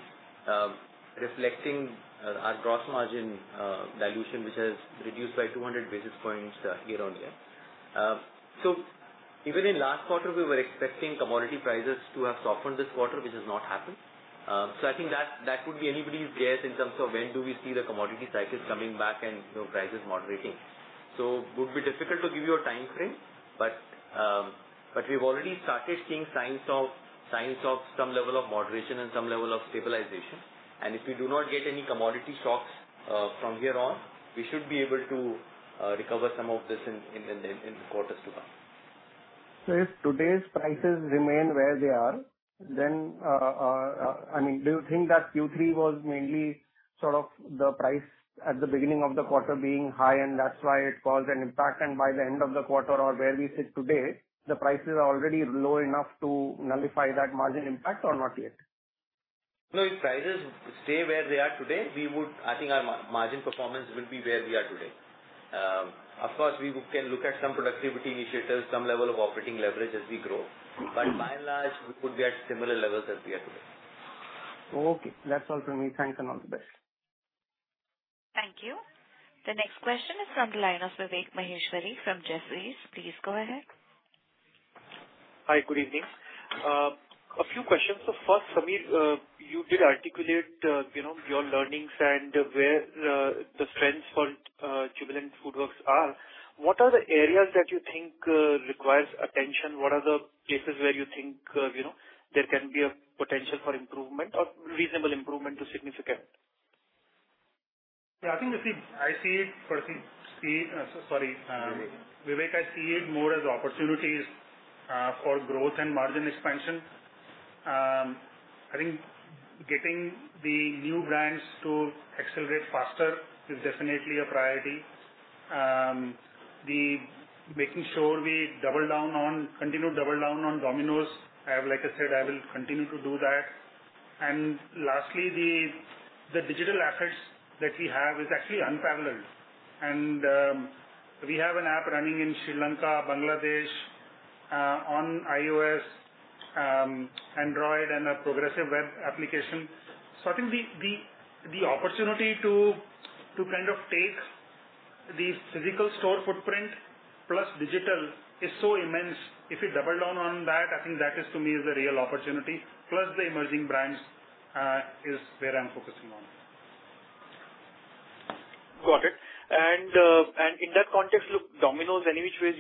reflecting our gross margin dilution, which has reduced by 200 basis points year-on-year. Even in last quarter, we were expecting commodity prices to have softened this quarter, which has not happened. I think that could be anybody's guess in terms of when do we see the commodity cycles coming back and prices moderating. Would be difficult to give you a time frame, but we've already started seeing signs of some level of moderation and some level of stabilization. If we do not get any commodity shocks from here on, we should be able to recover some of this in the quarters to come. If today's prices remain where they are, do you think that Q3 was mainly the price at the beginning of the quarter being high and that's why it caused an impact, and by the end of the quarter or where we sit today, the prices are already low enough to nullify that margin impact or not yet? No, if prices stay where they are today, I think our margin performance will be where we are today. Of course, we can look at some productivity initiatives, some level of operating leverage as we grow. By and large, we could be at similar levels as we are today. Okay. That's all from me. Thanks, and all the best. Thank you. The next question is from the line of Vivek Maheshwari from Jefferies. Please go ahead. Hi, good evening. A few questions. First, Sameer, you did articulate your learnings and where the strengths for Jubilant FoodWorks are. What are the areas that you think requires attention? What are the places where you think there can be a potential for improvement or reasonable improvement to significant? Vivek, I see it more as opportunities for growth and margin expansion. Getting the new brands to accelerate faster is definitely a priority. Making sure we continue to double down on Domino's, like I said, I will continue to do that. Lastly, the digital assets that we have is actually unparalleled. We have an app running in Sri Lanka, Bangladesh, on iOS, Android, and a progressive web application. The opportunity to take the physical store footprint plus digital is so immense. If we double down on that is to me is the real opportunity, plus the emerging brands is where I'm focusing on. Got it. In that context, look, Domino's any which ways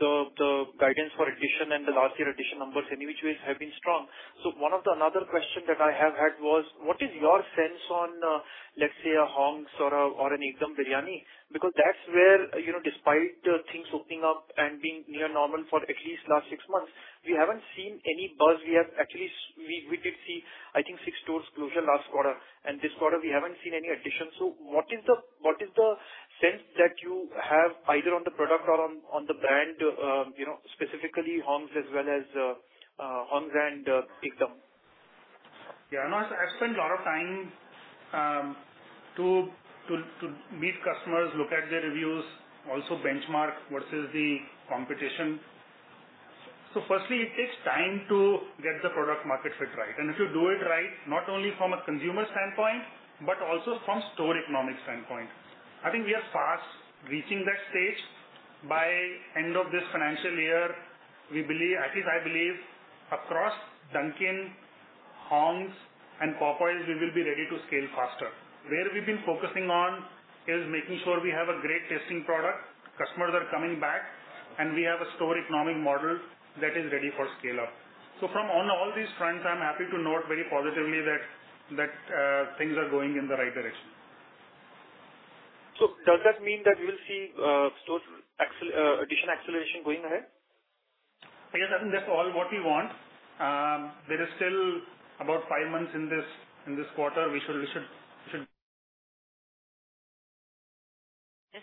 the guidance for addition and the last year addition numbers any which ways have been strong. One of the another question that I have had was, what is your sense on let's say a Hong's or an Ekdum! Biryani? That's where despite things opening up and being near normal for at least last six months, we haven't seen any buzz. At least we did see, I think six stores closure last quarter and this quarter we haven't seen any additions. What is the sense that you have either on the product or on the brand, specifically Hong's and Ekdum!? No, I've spent a lot of time to meet customers, look at their reviews, also benchmark versus the competition. Firstly, it takes time to get the product market fit right. If you do it right, not only from a consumer standpoint, but also from store economic standpoint. We are fast reaching that stage by end of this financial year. At least I believe across Dunkin', Hong's, and Popeyes, we will be ready to scale faster. Where we've been focusing on is making sure we have a great tasting product, customers are coming back, and we have a store economic model that is ready for scale up. From on all these fronts, I'm happy to note very positively that things are going in the right direction. Does that mean that we'll see store addition acceleration going ahead? Yes, that's all what we want. There is still about five months in this quarter. This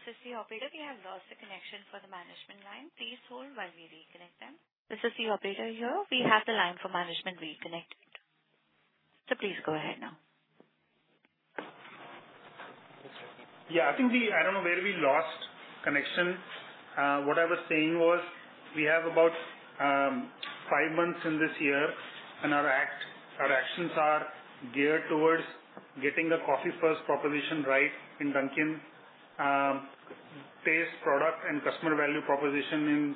is the operator. We have lost the connection for the management line. Please hold while we reconnect them. This is the operator here. We have the line for management reconnected. Please go ahead now. Yeah, I don't know where we lost connection. What I was saying was we have about five months in this year and our actions are geared towards getting the coffee first proposition right in Dunkin', taste, product, and customer value proposition in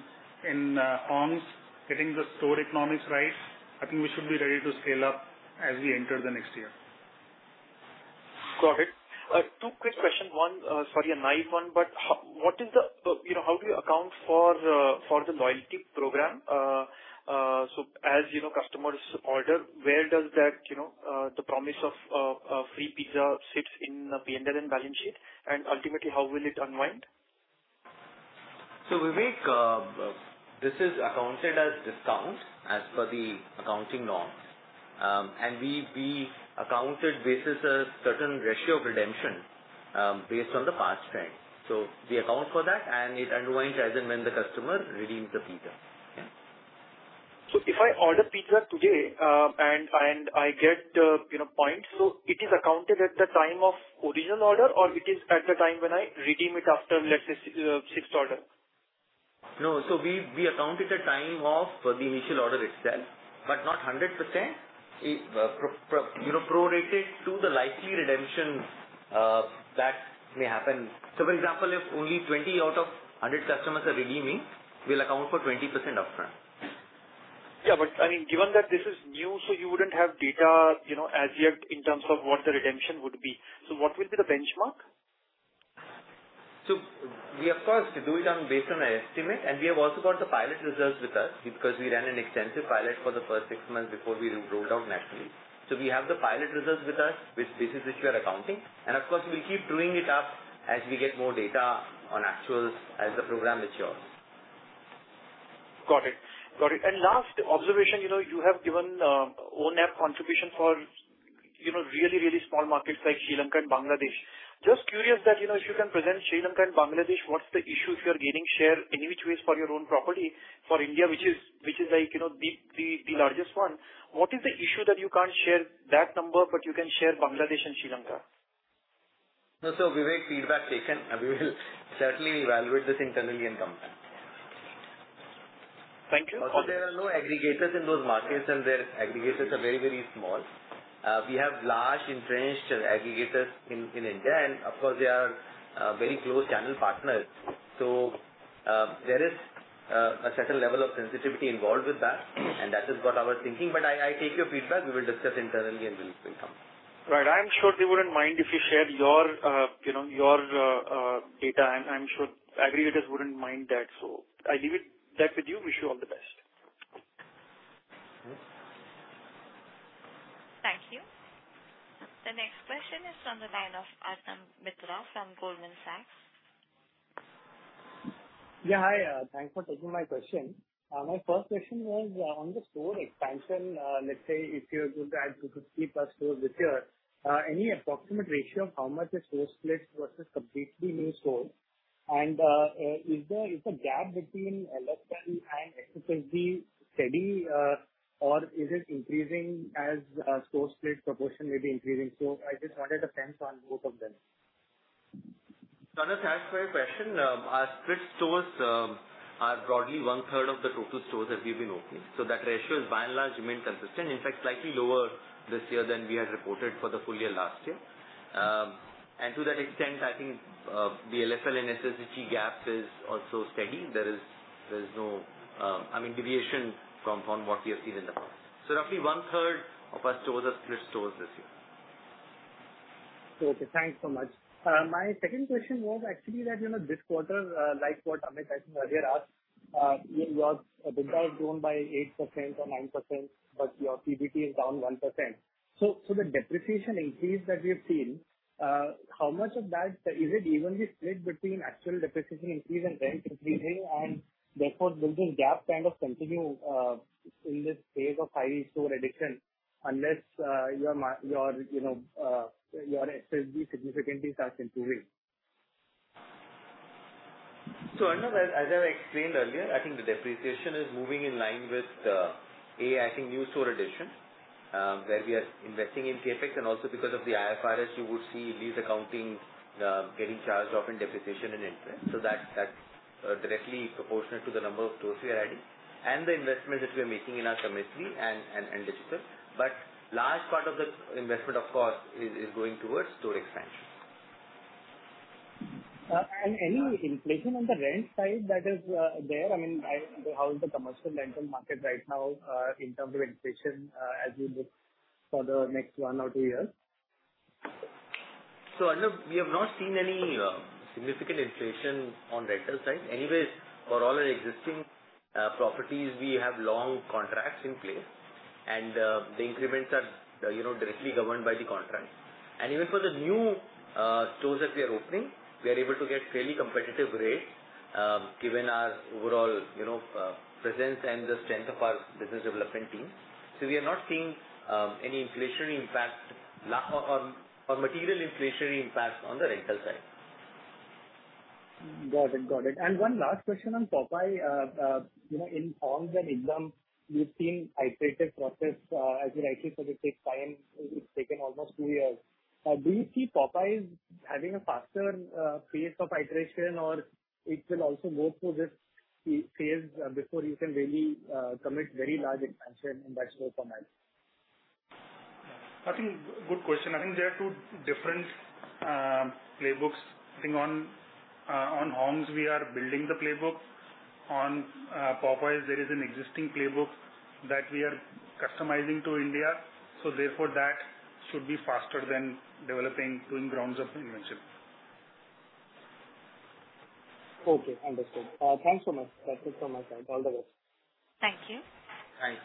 Hong's, getting the store economics right. I think we should be ready to scale up as we enter the next year. Got it. Two quick question. One, sorry, a naive one, how do you account for the loyalty program? As customers order, where does the promise of free pizza sit in the P&L and balance sheet? Ultimately, how will it unwind? Vivek, this is accounted as discount as per the accounting norms. We account it basis a certain ratio of redemption based on the past trend. We account for that and it unwinds as and when the customer redeems the pizza. If I order pizza today and I get points, it is accounted at the time of original order or it is at the time when I redeem it after, let's say, sixth order? No. We account it at time of the initial order itself, but not 100%. Pro-rated to the likely redemptions that may happen. For example, if only 20 out of 100 customers are redeeming, we'll account for 20% of that Yeah, given that this is new, you wouldn't have data as yet in terms of what the redemption would be. What will be the benchmark? We of course do it based on our estimate. We have also got the pilot results with us because we ran an extensive pilot for the first six months before we rolled out nationally. We have the pilot results with us, which this is what we are accounting. Of course, we'll keep doing it up as we get more data on actuals as the program matures. Got it. Last observation, you have given own app contribution for really small markets like Sri Lanka and Bangladesh. Just curious that if you can present Sri Lanka and Bangladesh, what's the issue if you're gaining share in which ways for your own property for India, which is the largest one. What is the issue that you can't share that number, but you can share Bangladesh and Sri Lanka? No. Vivek, feedback taken. We will certainly evaluate this internally in company. Thank you. There are no aggregators in those markets, and their aggregators are very small. We have large entrenched aggregators in India, and of course, they are very close channel partners. There is a certain level of sensitivity involved with that, and that is what our thinking, but I take your feedback. We will discuss internally and will bring something. Right. I am sure they wouldn't mind if you shared your data. I'm sure aggregators wouldn't mind that. I leave that with you. Wish you all the best. Yes. Thank you. The next question is on the line of Arnab Mitra from Goldman Sachs. Yeah, hi. Thanks for taking my question. My first question was on the store expansion. Let's say if you're going to add two to three plus stores this year, any approximate ratio of how much a store split versus completely new store? Is the gap between LSL and SSG steady or is it increasing as store split proportion may be increasing? I just wanted a sense on both of them. Arnab, thanks for your question. Our split stores are broadly one-third of the total stores that we've been opening. That ratio is by and large remained consistent. In fact, slightly lower this year than we had reported for the full year last year. To that extent, I think, the LSL and SSG gap is also steady. There is no deviation from what we have seen in the past. Roughly one-third of our stores are split stores this year. Okay. Thanks so much. My second question was actually that this quarter, like what Amit, I think earlier asked, your results grown by 8% or 9%, but your PBT is down 1%. The depreciation increase that we have seen, is it evenly split between actual depreciation increase and rent increasing? Therefore, will this gap kind of continue in this phase of high store addition unless your SSG significantly starts improving? Artham, as I explained earlier, I think the depreciation is moving in line with, A, I think new store addition, where we are investing in CapEx and also because of the IFRS, you would see lease accounting getting charged off in depreciation and interest. That's directly proportionate to the number of stores we are adding and the investment that we are making in our chemistry and digital. Large part of the investment, of course, is going towards store expansion. Any inflation on the rent side that is there? How is the commercial rental market right now in terms of inflation as we look for the next one or two years? Artham, we have not seen any significant inflation on rental side. Anyway, for all our existing properties, we have long contracts in place, the increments are directly governed by the contract. Even for the new stores that we are opening, we are able to get fairly competitive rates given our overall presence and the strength of our business development team. We are not seeing any material inflationary impact on the rental side. Got it. One last question on Popeyes. In Hong's and Ekdum!, we've seen iterative process, as you rightly said, it takes time. It's taken almost 2 years. Do you see Popeyes having a faster pace of iteration or it will also go through this phase before you can really commit very large expansion in that store format? I think good question. I think there are two different playbooks. I think on Hong's we are building the playbooks. On Popeyes, there is an existing playbook that we are customizing to India, therefore that should be faster than developing from grounds up invention. Okay, understood. Thanks so much. That's it from my side. All the best. Thank you. Thanks.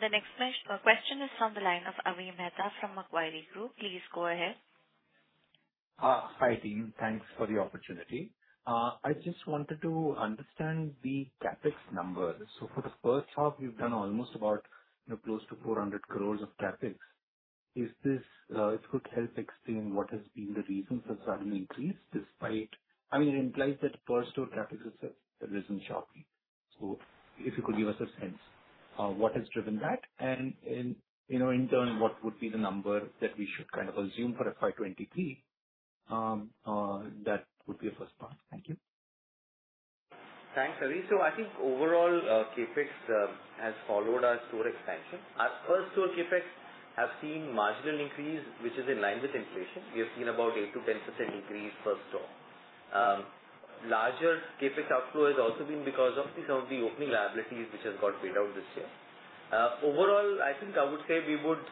The next question is from the line of Avi Mehta from Macquarie Group. Please go ahead. Hi, team. Thanks for the opportunity. I just wanted to understand the CapEx numbers. For the first half, you've done almost about close to 400 crores of CapEx. If you could help explain what has been the reason for sudden increase. It implies that first store CapEx has risen sharply. If you could give us a sense of what has driven that, and in turn, what would be the number that we should kind of assume for a FY 2023? That would be a first part. Thank you. Thanks, Avi. I think overall CapEx has followed our store expansion. Our first store CapEx has seen marginal increase, which is in line with inflation. We have seen about 8%-10% increase first store. Larger CapEx outflow has also been because of some of the opening liabilities which have got paid out this year. Overall, I think I would say we would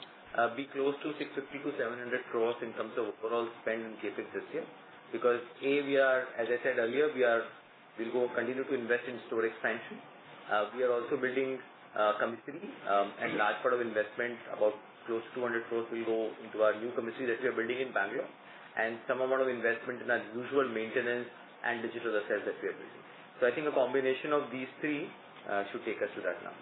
be close to 650-700 crores in terms of overall spend in CapEx this year, because, A, as I said earlier, we'll continue to invest in store expansion. We are also building a commissary, and large part of investment, about close to 200 crores, will go into our new commissary that we are building in Bangalore, and some amount of investment in our usual maintenance and digital assets that we are building. I think a combination of these three should take us to that now.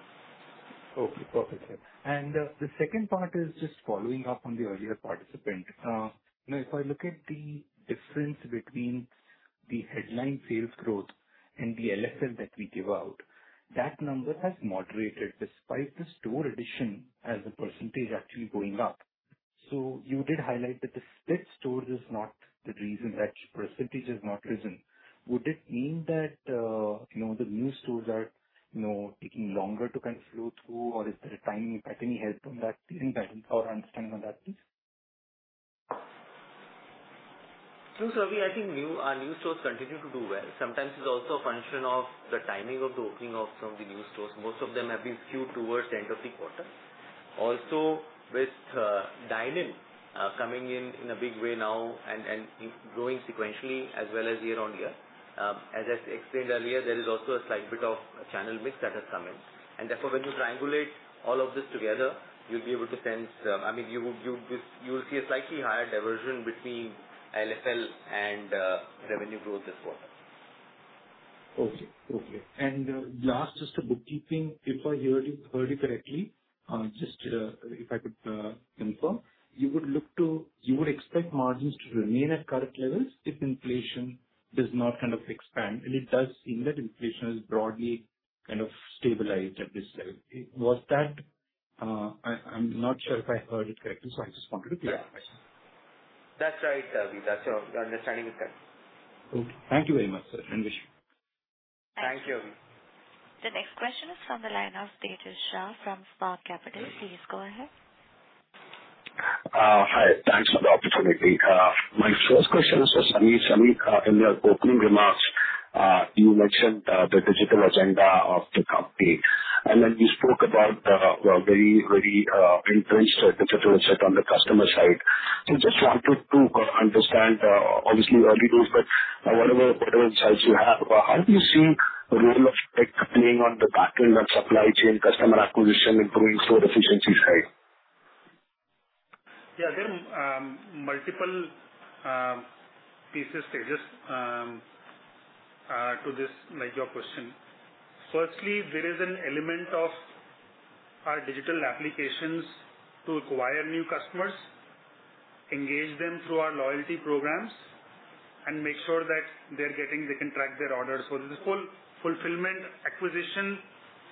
Okay, perfect, sir. The second part is just following up on the earlier participant. If I look at the difference between the headline sales growth and the LFL that we give out, that number has moderated despite the store addition as a percentage actually going up. You did highlight that the split stores is not the reason that percentage has not risen. Would it mean that the new stores are taking longer to kind of flow through, or is there a timing, if I can have some understanding on that, please? Sure, Avi. I think our new stores continue to do well. Sometimes it is also a function of the timing of the opening of some of the new stores. Most of them have been skewed towards the end of the quarter. With dine-in coming in in a big way now and growing sequentially as well as year-on-year. As I explained earlier, there is also a slight bit of a channel mix that has come in. Therefore, when you triangulate all of this together, you will see a slightly higher diversion between LFL and revenue growth this quarter. Okay. Last, just a bookkeeping. If I heard you correctly, just if I could confirm, you would expect margins to remain at current levels if inflation does not kind of expand, it does seem that inflation has broadly kind of stabilized at this level. I am not sure if I heard it correctly, so I just wanted to clear my question. That's right, Avi. That's your understanding is correct. Okay. Thank you very much, sir. Wish you- Thank you. The next question is from the line of Tejash Shah from Spark Capital. Please go ahead. Hi. Thanks for the opportunity. My first question is for Sameer. Sameer, in your opening remarks, you mentioned the digital agenda of the company, and then you spoke about the very entrenched digital set on the customer side. Just wanted to understand, obviously early days, but whatever insights you have, how do you see the role of tech playing on the back end and supply chain customer acquisition, improving store efficiency side? Yeah. There are multiple pieces to this, like your question. Firstly, there is an element of our digital applications to acquire new customers, engage them through our loyalty programs, and make sure that they can track their orders. This whole fulfillment, acquisition,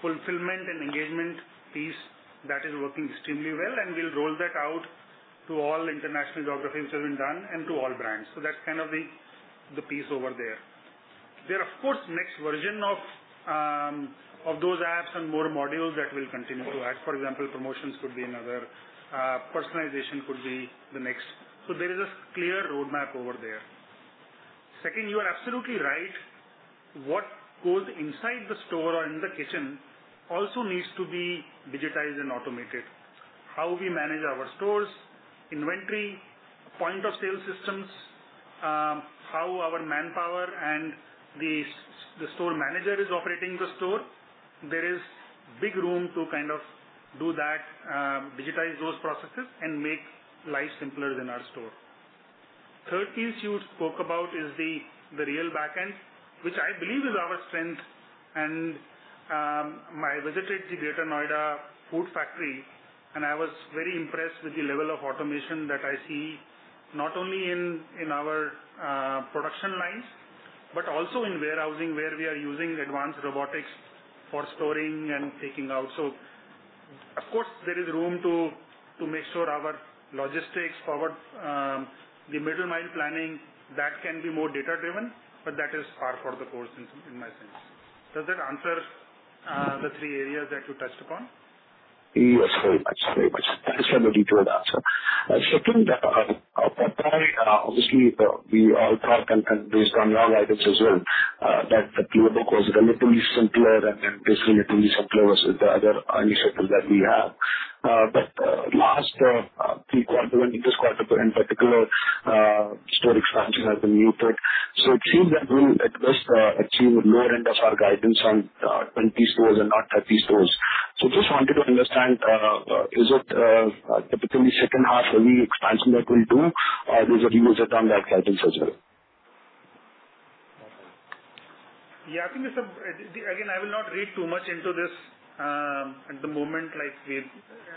fulfillment, and engagement piece, that is working extremely well, and we'll roll that out to all international geographies which have been done and to all brands. That's kind of the piece over there. There are, of course, next version of those apps and more modules that we'll continue to add. For example, promotions could be another, personalization could be the next. There is a clear roadmap over there. Second, you are absolutely right. What goes inside the store or in the kitchen also needs to be digitized and automated. How we manage our stores, inventory, point of sale systems, how our manpower and the store manager is operating the store. There is big room to kind of do that, digitize those processes, and make life simpler in our store. Third piece you spoke about is the real back end, which I believe is our strength, and I visited the Greater Noida food factory, and I was very impressed with the level of automation that I see not only in our production lines, but also in warehousing, where we are using advanced robotics for storing and taking out. Of course, there is room to make sure our logistics forward, the middle mile planning, that can be more data-driven, but that is par for the course in my sense. Does that answer the three areas that you touched upon? Yes, very much. Thanks for the detailed answer. Second, obviously, we all talk and based on your guidance as well, that the playbook was relatively simpler and this relatively simpler was the other initiative that we have. Last few quarter, when in this quarter in particular, store expansion has been muted. It seems that we'll at best achieve lower end of our guidance on 20 stores and not 30 stores. Just wanted to understand, is it typically second half heavy expansion that we'll do? Or is it you must have done that guidance as well? I think, again, I will not read too much into this at the moment.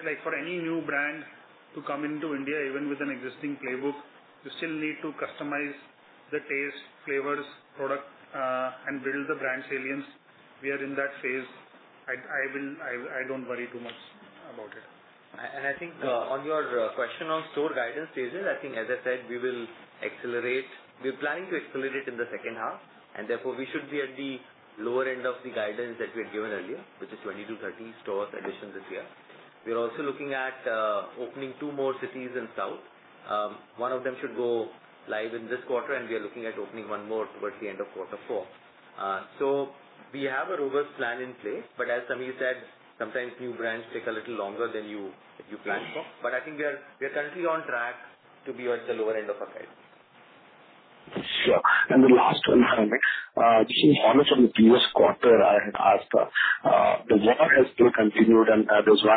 Like for any new brand to come into India, even with an existing playbook, you still need to customize the taste, flavors, product, and build the brand salience. We are in that phase. I don't worry too much about it. I think on your question on store guidance, Tejash, I think as I said, we plan to accelerate in the second half, and therefore, we should be at the lower end of the guidance that we had given earlier, which is 20-30 stores addition this year. We are also looking at opening two more cities in south. One of them should go live in this quarter, and we are looking at opening one more towards the end of quarter four. We have a robust plan in place, as Sameer said, sometimes new brands take a little longer than you plan for. I think we are currently on track to be towards the lower end of our guide. Sure. The last one. (audio distortion) Just to follow from the previous quarter I had asked, the war has still continued, and Russia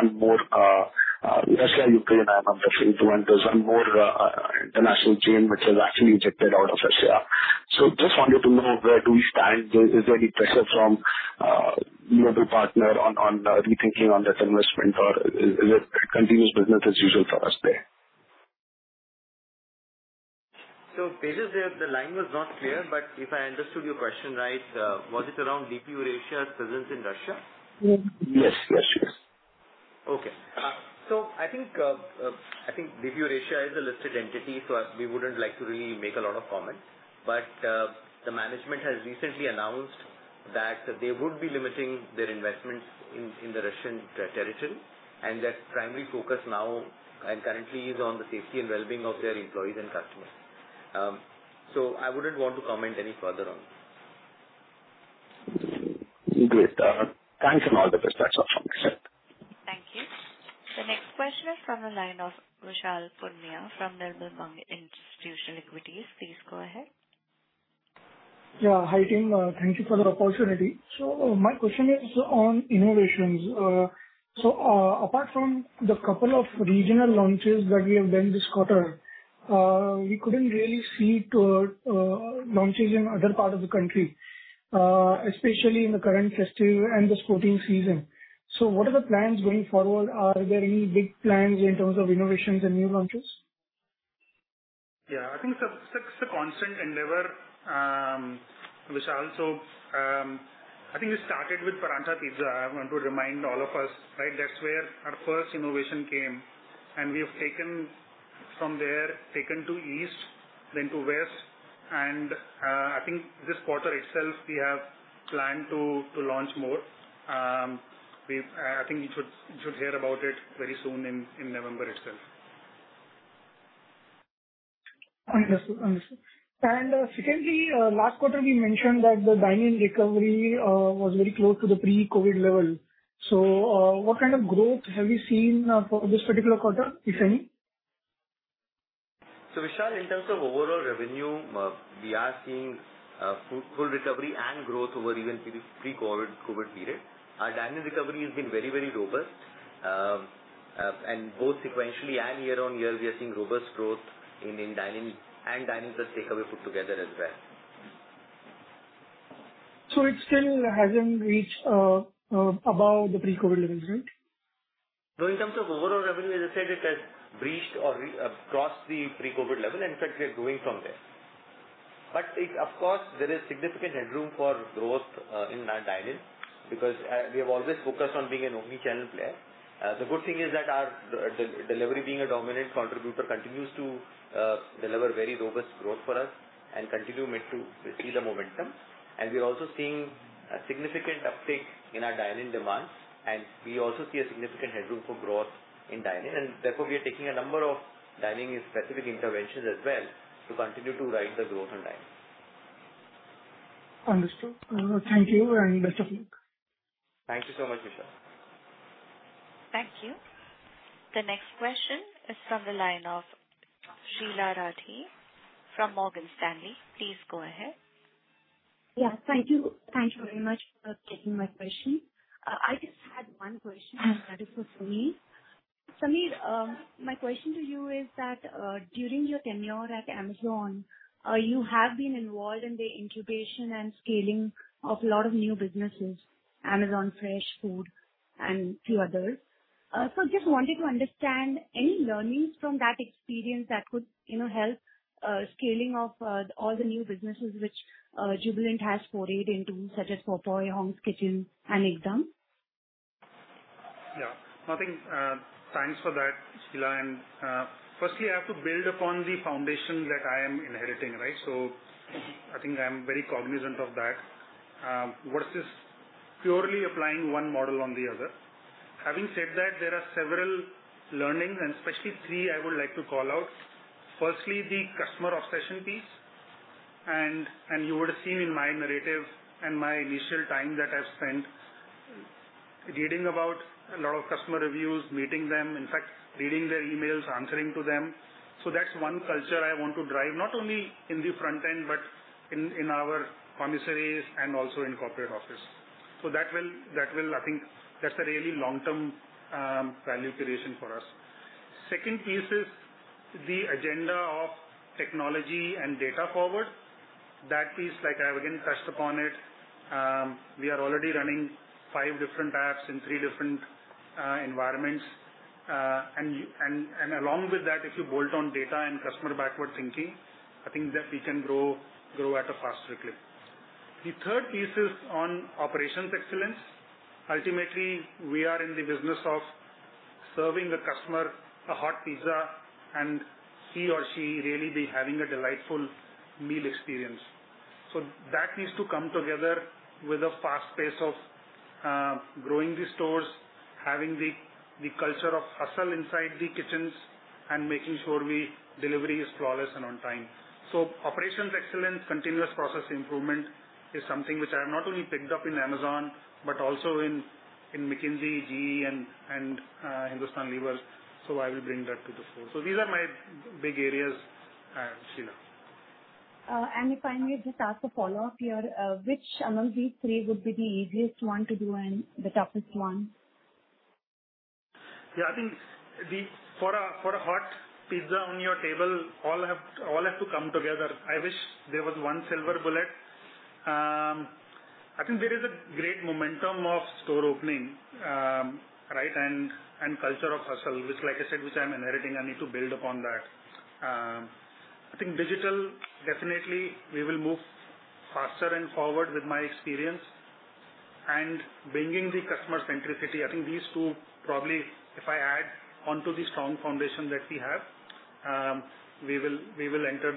and Ukraine, I am referring to, and there's one more international chain which has actually exited out of Russia. Just wanted to know, where do we stand? Is there any pressure from global partner on rethinking on that investment, or is it continuous business as usual for us there? Tejash, the line was not clear, if I understood your question right, was it around DP Eurasia's presence in Russia? Yes. I think DP Eurasia is a listed entity, we wouldn't like to really make a lot of comments. The management has recently announced that they would be limiting their investments in the Russian territory, and their primary focus now and currently is on the safety and wellbeing of their employees and customers. I wouldn't want to comment any further on it. Great. Thanks, and all the best. That's all from my side. Thank you. The next question is from the line of Vishal Punmiya from Nirmal Bang Institutional Equities. Please go ahead. Yeah. Hi, team. Thank you for the opportunity. My question is on innovations. Apart from the couple of regional launches that we have done this quarter, we couldn't really see new launches in other parts of the country, especially in the current festive and the sporting season. What are the plans going forward? Are there any big plans in terms of innovations and new launches? Yeah, I think that's the constant endeavor, Vishal. I think we started with Paratha Pizza. I want to remind all of us. That's where our first innovation came, and we have from there, taken to east, then to west, and I think this quarter itself, we have planned to launch more. I think you should hear about it very soon in November itself. Understood. Secondly, last quarter we mentioned that the dine-in recovery was very close to the pre-COVID level. What kind of growth have you seen for this particular quarter, if any? Vishal, in terms of overall revenue, we are seeing full recovery and growth over even the pre-COVID period. Our dine-in recovery has been very robust, and both sequentially and year-on-year, we are seeing robust growth in dine-in and dine-in plus takeaway put together as well. It still hasn't reached above the pre-COVID levels, right? In terms of overall revenue, as I said, it has breached or crossed the pre-COVID level, and in fact, we are growing from there. Of course, there is significant headroom for growth in our dine-in because we have always focused on being an omni-channel player. The good thing is that our delivery being a dominant contributor continues to deliver very robust growth for us and continue to see the momentum. We are also seeing a significant uptick in our dine-in demands, and we also see a significant headroom for growth in dine-in. Therefore, we are taking a number of dine-in specific interventions as well to continue to ride the growth on dine-in. Understood. Thank you, and best of luck. Thank you so much, Vishal. Thank you. The next question is from the line of Sheela Rathi from Morgan Stanley. Please go ahead. Thank you. Thank you very much for taking my question. I just had one question, and that is for Sameer. Sameer, my question to you is that, during your tenure at Amazon, you have been involved in the incubation and scaling of a lot of new businesses, Amazon Fresh and few others. Just wanted to understand any learnings from that experience that could help scaling of all the new businesses which Jubilant has forayed into, such as Popeyes, Hong's Kitchen and Ekdum!? Thanks for that, Sheela. Firstly, I have to build upon the foundations that I am inheriting. I think I'm very cognizant of that versus purely applying one model on the other. Having said that, there are several learnings, and especially three I would like to call out. Firstly, the customer obsession piece, and you would have seen in my narrative and my initial time that I've spent reading about a lot of customer reviews, meeting them, in fact, reading their emails, answering to them. That's one culture I want to drive, not only in the front end, but in our commissaries and also in corporate office. I think that's a really long-term value creation for us. Second piece is the agenda of technology and data forward. That piece, like I have again touched upon it. We are already running 5 different apps in 3 different environments. Along with that, if you bolt on data and customer backward thinking, I think that we can grow at a faster clip. The third piece is on operations excellence. Ultimately, we are in the business of serving the customer a hot pizza, and he or she really be having a delightful meal experience. That needs to come together with a fast pace of growing the stores, having the culture of hustle inside the kitchens, and making sure delivery is flawless and on time. Operations excellence, continuous process improvement is something which I have not only picked up in Amazon, but also in McKinsey, GE, and Hindustan Lever. I will bring that to the fore. These are my big areas, Sheela. If I may just ask a follow-up here, which among these three would be the easiest one to do and the toughest one? Yeah, I think for a hot pizza on your table, all have to come together. I wish there was one silver bullet. I think there is a great momentum of store opening, and culture of hustle, which like I said, which I'm inheriting, I need to build upon that. I think digital, definitely, we will move faster and forward with my experience. Bringing the customer centricity. I think these two, probably, if I add onto the strong foundation that we have, we will enter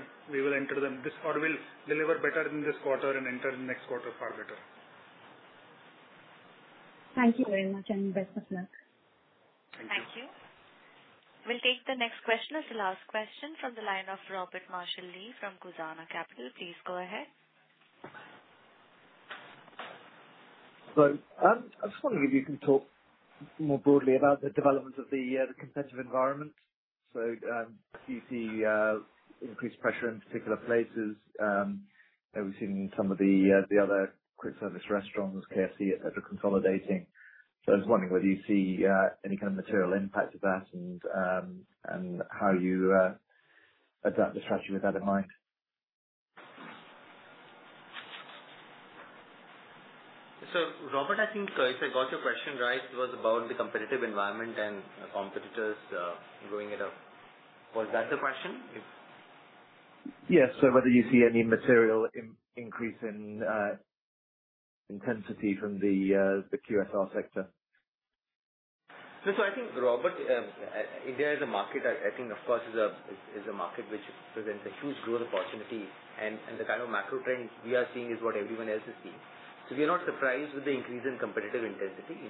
them, or we'll deliver better in this quarter and enter the next quarter far better. Thank you very much, and best of luck. Thank you. Thank you. We'll take the next question, it's the last question from the line of Robert Marshall-Lee from Cusana Capital. Please go ahead. I was just wondering if you can talk more broadly about the development of the competitive environment. Do you see increased pressure in particular places? We've seen some of the other quick service restaurants, KFC, et cetera, consolidating. I was wondering whether you see any kind of material impact of that and how you adapt the strategy with that in mind. Robert, I think if I got your question right, it was about the competitive environment and competitors growing it up. Was that the question? Yes. Whether you see any material increase in intensity from the QSR sector. I think, Robert, India is a market, I think of course, is a market which presents a huge growth opportunity and the kind of macro trends we are seeing is what everyone else is seeing. We are not surprised with the increase in competitive intensity.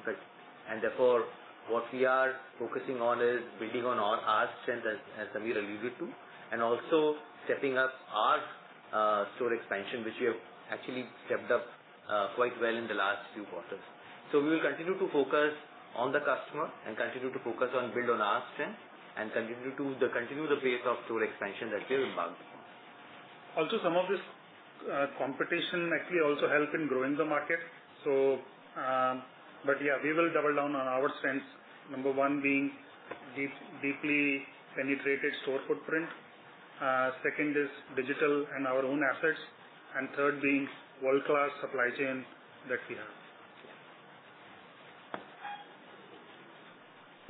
Therefore, what we are focusing on is building on our strengths as Sameer alluded to, and also stepping up our store expansion, which we have actually stepped up quite well in the last few quarters. We will continue to focus on the customer and continue to focus on build on our strength and continue the pace of store expansion that we have embarked upon. Some of this competition actually also help in growing the market. We will double down on our strengths. Number one being deeply penetrated store footprint. Second is digital and our own assets, third being world-class supply chain that we have.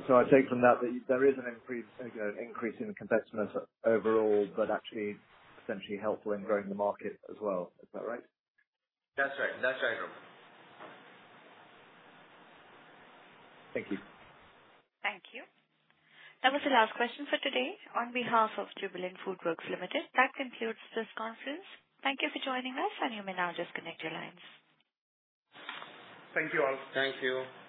I take from that there is an increase in competitiveness overall, actually essentially helpful in growing the market as well. Is that right? That's right, Robert. Thank you. Thank you. That was the last question for today. On behalf of Jubilant FoodWorks Limited, that concludes this conference. Thank you for joining us, and you may now disconnect your lines. Thank you all. Thank you.